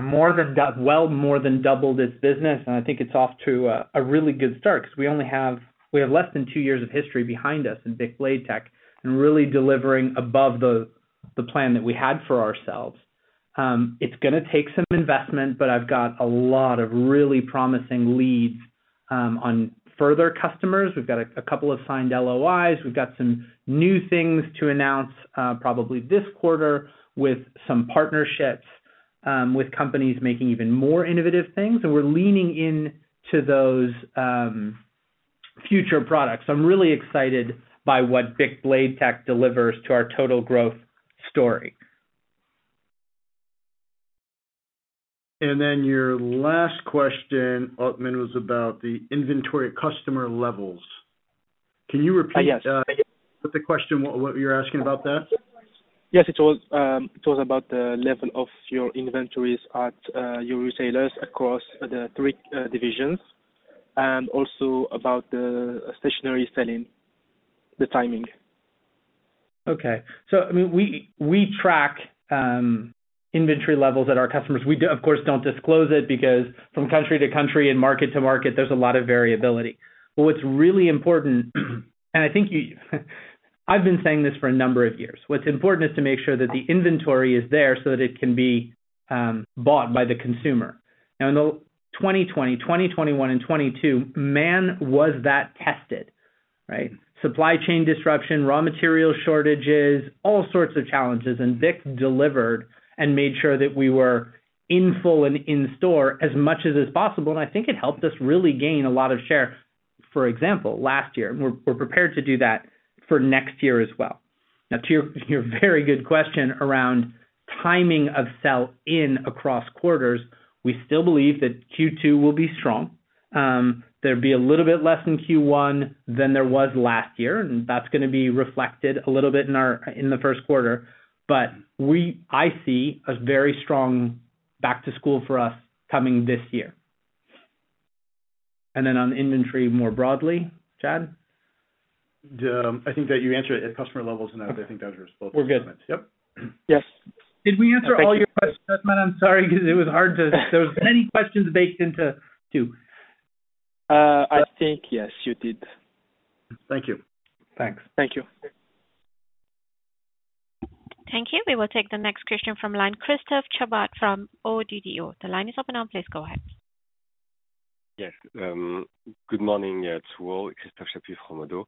more than doubled its business, and I think it's off to a really good start because we have less than two years of history behind us in BIC Blade Tech and really delivering above the plan that we had for ourselves. It's gonna take some investment, but I've got a lot of really promising leads on further customers. We've got a couple of signed LOIs. We've got some new things to announce, probably this quarter with some partnerships, with companies making even more innovative things, and we're leaning into those, future products. I'm really excited by what BIC Blade Tech delivers to our total growth story. Your last question, Othman, was about the inventory customer levels. Yes. The question, what you're asking about that? Yes, it was, it was about the level of your inventories at your retailers across the 3 divisions, and also about the stationery selling, the timing. Okay. I mean, we track inventory levels at our customers. We of course, don't disclose it because from country to country and market to market, there's a lot of variability. What's really important, and I think you I've been saying this for a number of years. What's important is to make sure that the inventory is there so that it can be bought by the consumer. In the 2020, 2021, and 2022, man, was that tested, right? Supply chain disruption, raw material shortages, all sorts of challenges. BIC delivered and made sure that we were in full and in store as much as is possible, and I think it helped us really gain a lot of share, for example, last year. We're prepared to do that for next year as well. Now to your very good question around timing of sell-in across quarters, we still believe that Q2 will be strong. There'd be a little bit less in Q1 than there was last year, and that's gonna be reflected a little bit in the first quarter. I see a very strong back to school for us coming this year. On inventory more broadly, Chad? I think that you answered it at customer levels and I think that was your full comment. We're good. Yep. Yes. Did we answer all your questions, Othman? I'm sorry 'cause it was hard to... There was many questions baked into two. I think yes, you did. Thank you. Thanks. Thank you. Thank you. We will take the next question from line, Christophe Chaput from Oddo. The line is open now. Please go ahead. Yes. Good morning to you all. Christophe Chaput from Oddo.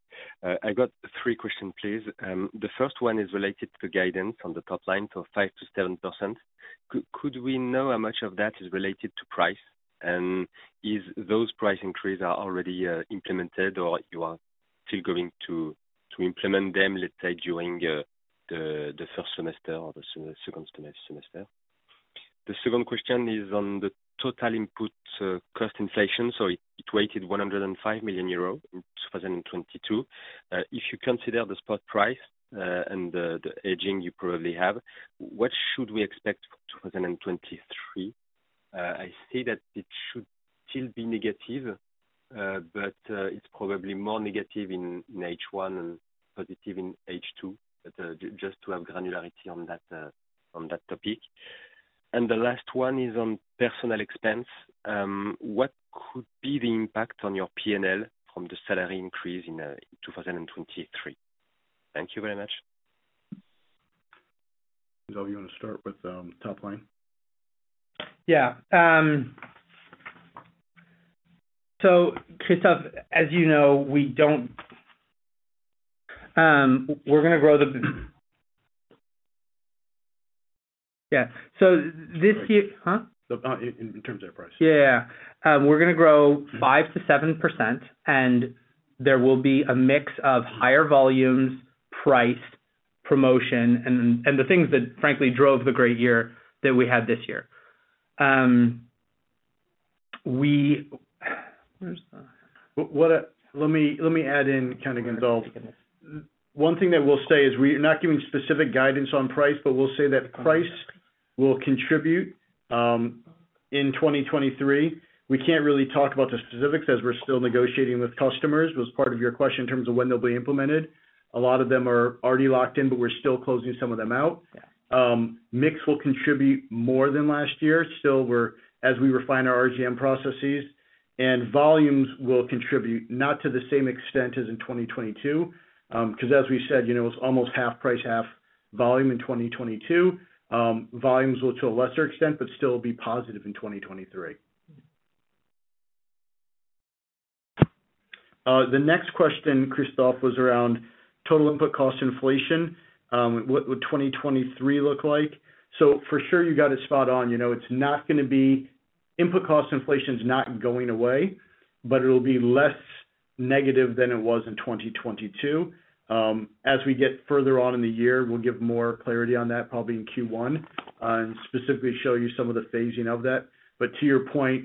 I got three questions, please. The first one is related to guidance on the top line, so 5%-7%. Could we know how much of that is related to price? Is those price increase are already implemented or you are still going to implement them, let's say during the first semester or the second semester? The second question is on the total input cost inflation. It weighted 105 million euros in 2022. If you consider the spot price and the aging you probably have, what should we expect for 2023? I see that it should still be negative, it's probably more negative in H1 and positive in H2. Just to have granularity on that topic. The last one is on personal expense. What could be the impact on your P&L from the salary increase in 2023? Thank you very much. Gonzalve, you wanna start with top line? Yeah. Christophe, as you know, we don't. Yeah. This year? Huh? In terms of price. Yeah. we're gonna grow 5%-7%, and there will be a mix of higher volumes, price, promotion and the things that frankly drove the great year that we had this year. we. Let me add in, kinda, Gonzalve. One thing that we'll say is we're not giving specific guidance on price. We'll say that price will contribute in 2023. We can't really talk about the specifics as we're still negotiating with customers. It was part of your question in terms of when they'll be implemented. A lot of them are already locked in. We're still closing some of them out. Yeah. Mix will contribute more than last year. Still as we refine our RGM processes. Volumes will contribute not to the same extent as in 2022, because as we said, you know, it's almost half price, half volume in 2022. Volumes will, to a lesser extent, but still be positive in 2023. The next question, Christophe, was around total input cost inflation. What would 2023 look like? For sure you got it spot on. You know, it's not going to be Input cost inflation's not going away, but it'll be less negative than it was in 2022. As we get further on in the year, we'll give more clarity on that, probably in Q1, and specifically show you some of the phasing of that. To your point,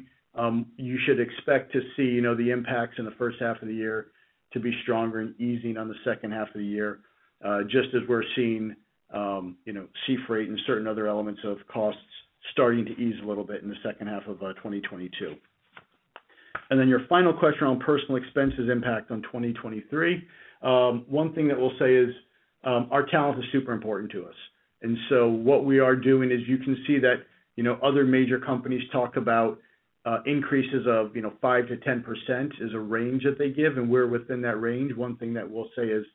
you should expect to see, you know, the impacts in the first half of the year to be stronger and easing on the second half of the year, just as we're seeing, you know, sea freight and certain other elements of costs starting to ease a little bit in the second half of 2022. Your final question on personal expenses impact on 2023. One thing that we'll say is our talent is super important to us. What we are doing is you can see that, you know, other major companies talk about increases of, you know, 5%-10% is a range that they give, and we're within that range. One thing that we'll say is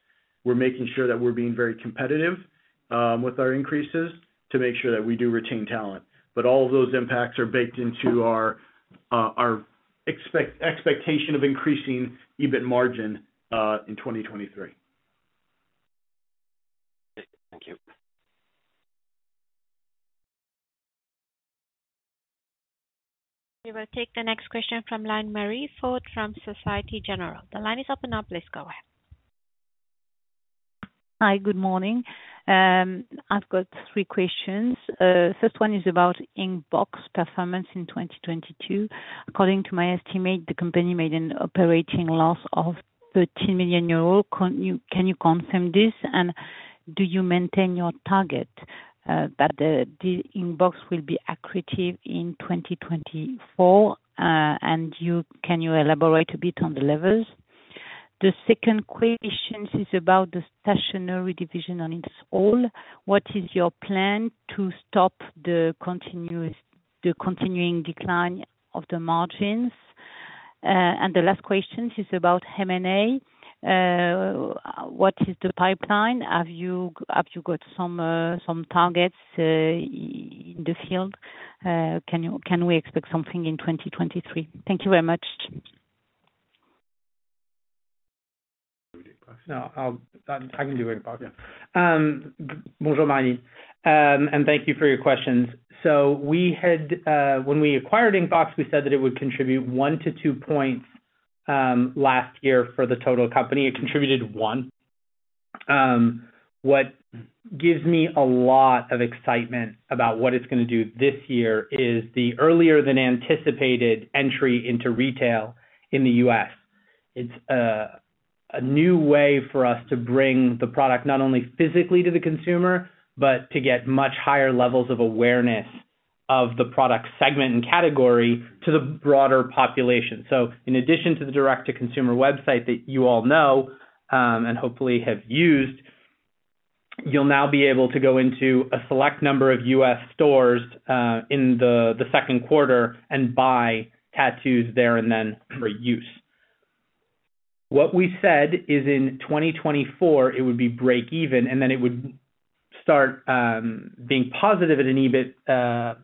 we're making sure that we're being very competitive with our increases to make sure that we do retain talent. All of those impacts are baked into our expectation of increasing EBIT margin in 2023. Thank you. We will take the next question from line, Marie-Line Fort from Societe Generale. The line is open now. Please go ahead. Hi. Good morning. I've got three questions. First one is about Inkbox performance in 2022. According to my estimate, the company made an operating loss of 30 million euros. Can you confirm this? Do you maintain your target that Inkbox will be accretive in 2024? Can you elaborate a bit on the levels? The second question is about the Stationery division on its own. What is your plan to stop the continuing decline of the margins? The last question is about M&A. What is the pipeline? Have you got some targets in the field? Can we expect something in 2023? Thank you very much. You wanna do it, Chris? No, I'll, I can do Inkbox. Yeah. Bonjour, Marie. Thank you for your questions. When we acquired Inkbox, we said that it would contribute oneto two points last year for the total company. It contributed one. What gives me a lot of excitement about what it's gonna do this year is the earlier than anticipated entry into retail in the U.S. It's a new way for us to bring the product not only physically to the consumer, but to get much higher levels of awareness of the product segment and category to the broader population. In addition to the direct-to-consumer website that you all know, and hopefully have used, you'll now be able to go into a select number of U.S. stores in the second quarter and buy tattoos there and then for use. What we said is in 2024 it would be break even. It would start being positive at an EBIT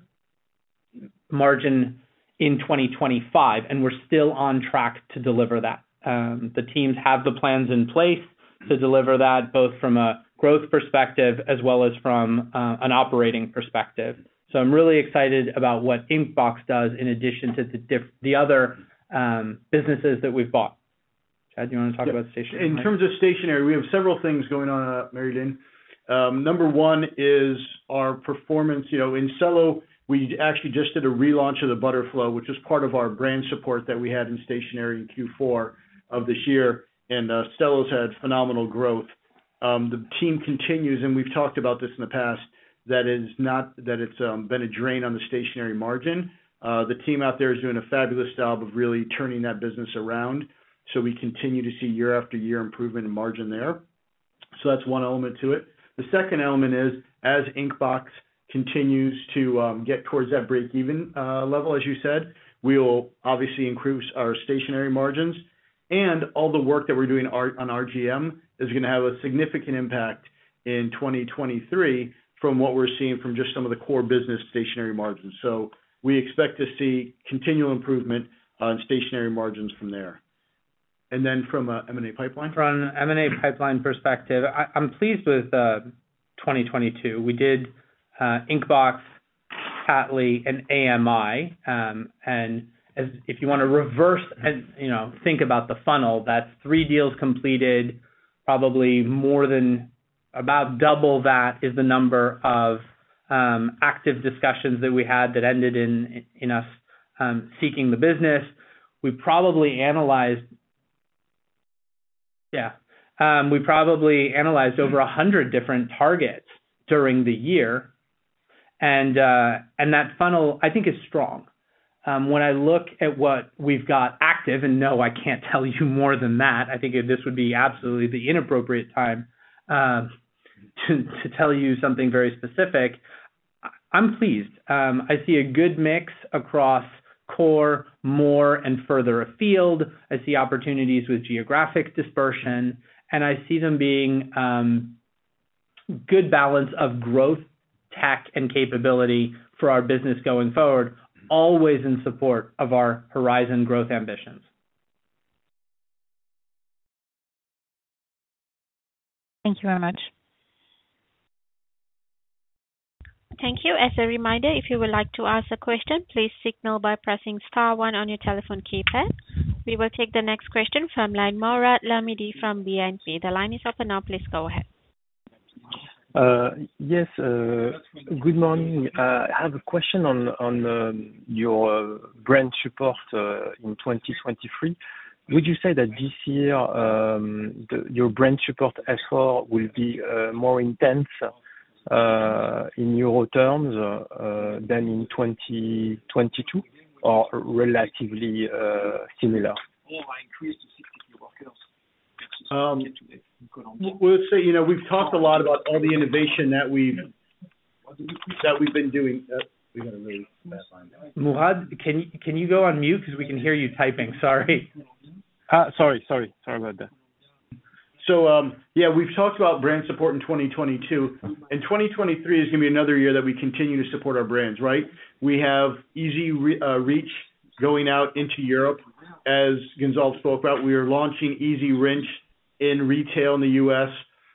margin in 2025. We're still on track to deliver that. The teams have the plans in place to deliver that, both from a growth perspective as well as from an operating perspective. I'm really excited about what Inkbox does in addition to the other businesses that we've bought. Chad, do you wanna talk about stationery? In terms of stationery, we have several things going on, Mary Jane. Number one is our performance. You know, in Cello, we actually just did a relaunch of the Butterflow, which is part of our brand support that we had in stationery in Q4 of this year. Cello's had phenomenal growth. The team continues, and we've talked about this in the past, that it's been a drain on the stationery margin. The team out there is doing a fabulous job of really turning that business around, we continue to see year-after-year improvement in margin there. That's one element to it. The second element is, as Inkbox continues to get towards that break-even level, as you said, we'll obviously increase our stationery margins. All the work that we're doing on RGM is gonna have a significant impact in 2023 from what we're seeing from just some of the core business stationery margins. We expect to see continual improvement on stationery margins from there. From a M&A pipeline. From an M&A pipeline perspective, I'm pleased with 2022. We did Inkbox, Tattly and AMI. If you wanna reverse and, you know, think about the funnel, that's three deals completed. Probably more than about double that is the number of active discussions that we had that ended in us seeking the business. We probably analyzed... Yeah. We probably analyzed over 100 different targets during the year. That funnel, I think, is strong. When I look at what we've got active, no, I can't tell you more than that, I think this would be absolutely the inappropriate time to tell you something very specific. I'm pleased. I see a good mix across core more and further afield. I see opportunities with geographic dispersion, and I see them being, good balance of growth, tech, and capability for our business going forward, always in support of our Horizon growth ambitions. Thank you very much. Thank you. As a reminder, if you would like to ask a question, please signal by pressing star one on your telephone keypad. We will take the next question from line Mourad Lahmidi from BNP. The line is open now. Please go ahead. Yes. Good morning. I have a question on your brand support in 2023. Would you say that this year your brand support effort will be more intense in EUR terms than in 2022 or relatively similar? we'll say, you know, we've talked a lot about all the innovation that we've been doing. We're gonna lose that line. Mourad, can you go on mute 'cause we can hear you typing? Sorry. Sorry about that. Yeah, we've talked about brand support in 2022, and 2023 is gonna be another year that we continue to support our brands, right? We have Easy Reach going out into Europe. As Gonzalve spoke about, we are launching EasyRinse in retail in the U.S.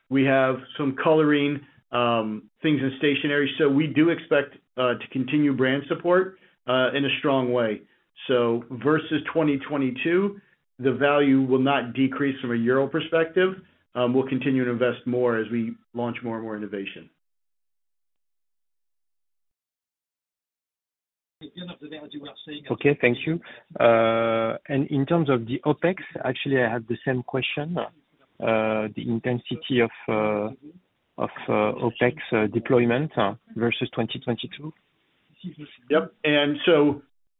We have some coloring things in stationery. We do expect to continue brand support in a strong way. Versus 2022, the value will not decrease from a euro perspective. We'll continue to invest more as we launch more and more innovation. Okay, thank you. In terms of the OpEx, actually, I have the same question. The intensity of OpEx deployment versus 2022. Yep.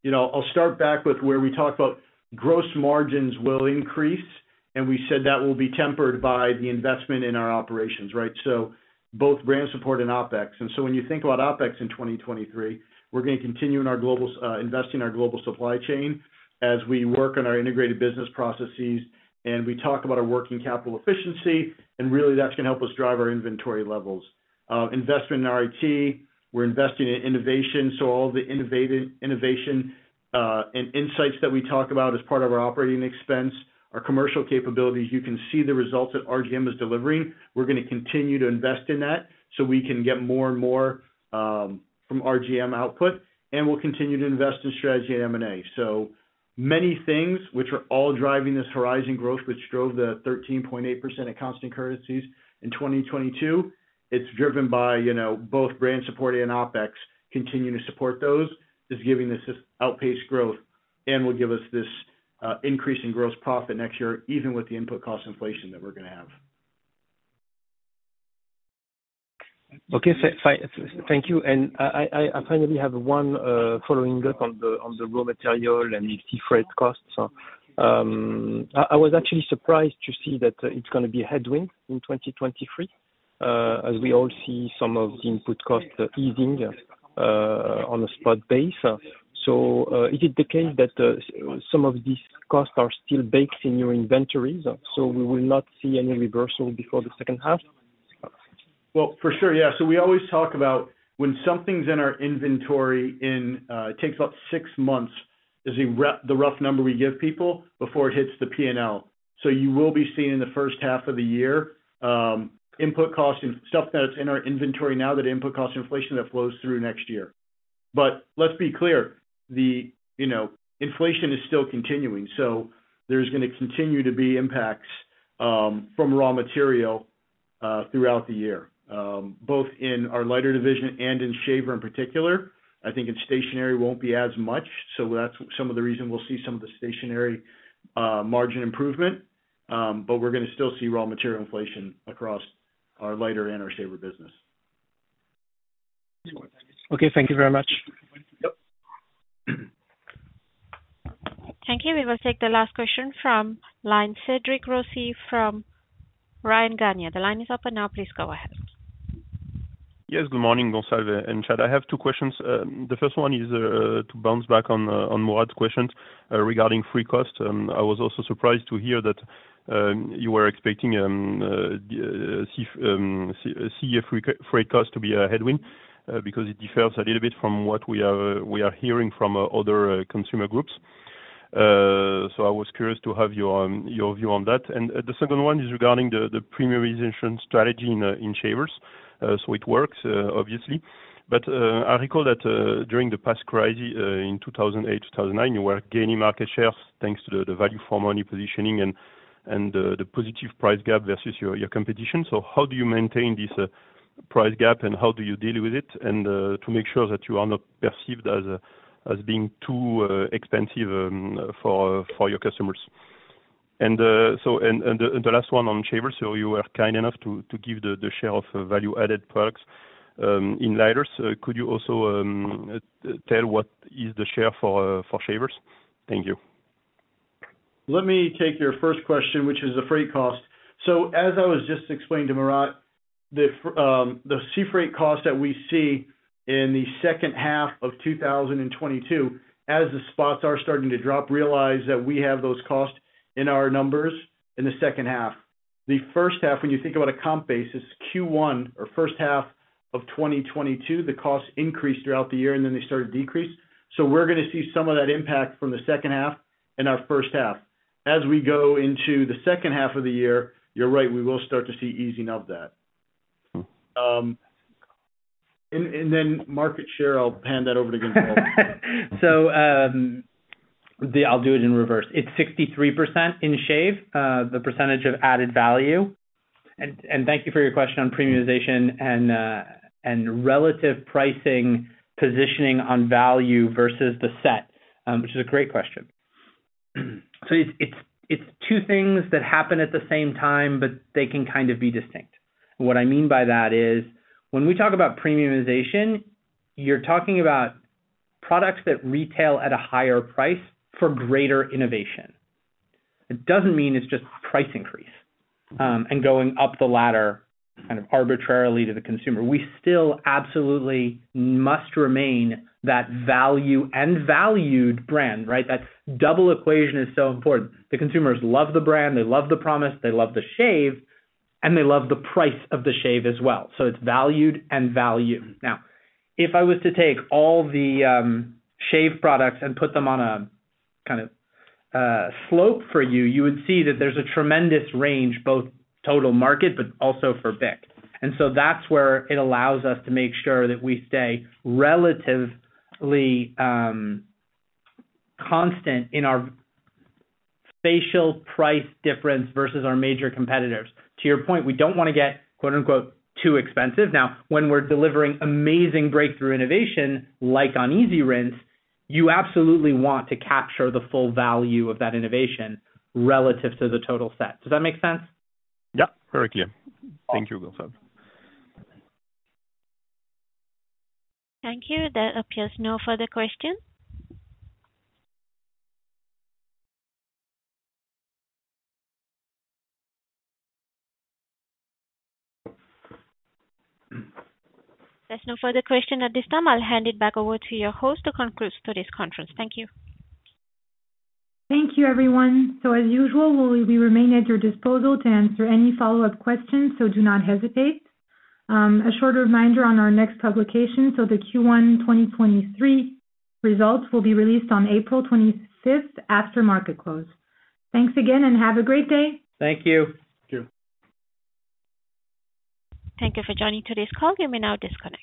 You know, I'll start back with where we talked about gross margins will increase, and we said that will be tempered by the investment in our operations, right? Both brand support and OpEx. When you think about OpEx in 2023, we're gonna continue investing in our global supply chain as we work on our integrated business processes, and we talk about our working capital efficiency, and really that's gonna help us drive our inventory levels. Investment in our IT. We're investing in innovation. All the innovation and insights that we talk about as part of our operating expense. Our commercial capabilities, you can see the results that RGM is delivering. We're gonna continue to invest in that so we can get more and more from RGM output, and we'll continue to invest in strategy and M&A. Many things which are all driving this Horizon growth, which drove the 13.8% at constant currencies in 2022. It's driven by, you know, both brand support and OpEx. Continuing to support those is giving us this outpaced growth and will give us this increase in gross profit next year, even with the input cost inflation that we're gonna have. Okay. Thank you. I finally have one following up on the raw material and sea freight costs. I was actually surprised to see that it's gonna be a headwind in 2023 as we all see some of the input costs easing on a spot base. Is it the case that some of these costs are still baked in your inventories, so we will not see any reversal before the second half? Well, for sure, yeah. We always talk about when something's in our inventory in, it takes about six months, is the rough number we give people, before it hits the P&L. You will be seeing in the first half of the year, input costs and stuff that's in our inventory now, that input cost inflation that flows through next year. Let's be clear, the, you know, inflation is still continuing, so there's gonna continue to be impacts from raw material throughout the year, both in our lighter division and in shaver in particular. I think in stationery it won't be as much, so that's some of the reason we'll see some of the stationery margin improvement. We're gonna still see raw material inflation across our lighter and our shaver business. Okay, thank you very much. Yep. Thank you. We will take the last question from line, Cédric Rossi from Bryan Garnier. The line is open now. Please go ahead. Yes, good morning, Gonzalve and Chad. I have two questions. The first one is to bounce back on Mourad's question regarding freight cost. I was also surprised to hear that you were expecting sea freight cost to be a headwind because it differs a little bit from what we are hearing from other consumer groups. I was curious to have your view on that. The second one is regarding the premiumization strategy in shavers. It works obviously, but I recall that during the past crisis in 2008, 2009, you were gaining market shares thanks to the value for money positioning and the positive price gap versus your competition. How do you maintain this price gap, and how do you deal with it and to make sure that you are not perceived as being too expensive for your customers? The last one on shavers. You were kind enough to give the share of value-added products in lighters. Could you also tell what is the share for shavers? Thank you. Let me take your first question, which is the freight cost. As I was just explaining to Mourad, the sea freight cost that we see in the second half of 2022, as the spots are starting to drop, realize that we have those costs in our numbers in the second half. The first half, when you think about a comp basis, Q1 or first half of 2022, the costs increased throughout the year, they started to decrease. We're going to see some of that impact from the second half in our first half. As we go into the second half of the year, you're right, we will start to see easing of that. Mm-hmm. Market share. I'll hand that over to Gonzalve. I'll do it in reverse. It's 63% in shave, the percentage of added value. Thank you for your question on premiumization and relative pricing positioning on value versus the set, which is a great question. It's two things that happen at the same time, but they can kind of be distinct. What I mean by that is, when we talk about premiumization, you're talking about products that retail at a higher price for greater innovation. It doesn't mean it's just price increase and going up the ladder kind of arbitrarily to the consumer. We still absolutely must remain that value and valued brand, right? That double equation is so important. The consumers love the brand, they love the promise, they love the shave, and they love the price of the shave as well. It's valued and value. If I was to take all the shave products and put them on a kind of slope for you would see that there's a tremendous range, both total market but also for BIC. That's where it allows us to make sure that we stay relatively constant in our facial price difference versus our major competitors. To your point, we don't wanna get, quote-unquote, "too expensive." When we're delivering amazing breakthrough innovation, like on EasyRinse, you absolutely want to capture the full value of that innovation relative to the total set. Does that make sense? Yeah, perfectly. Awesome. Thank you, Gonzalve. Thank you. There appears no further questions. There's no further question at this time. I'll hand it back over to your host to conclude today's conference. Thank you. Thank you, everyone. As usual, we will be remaining at your disposal to answer any follow-up questions, so do not hesitate. A short reminder on our next publication. The Q1 2023 results will be released on April 25th after market close. Thanks again, and have a great day. Thank you. Thank you. Thank you for joining today's call. You may now disconnect.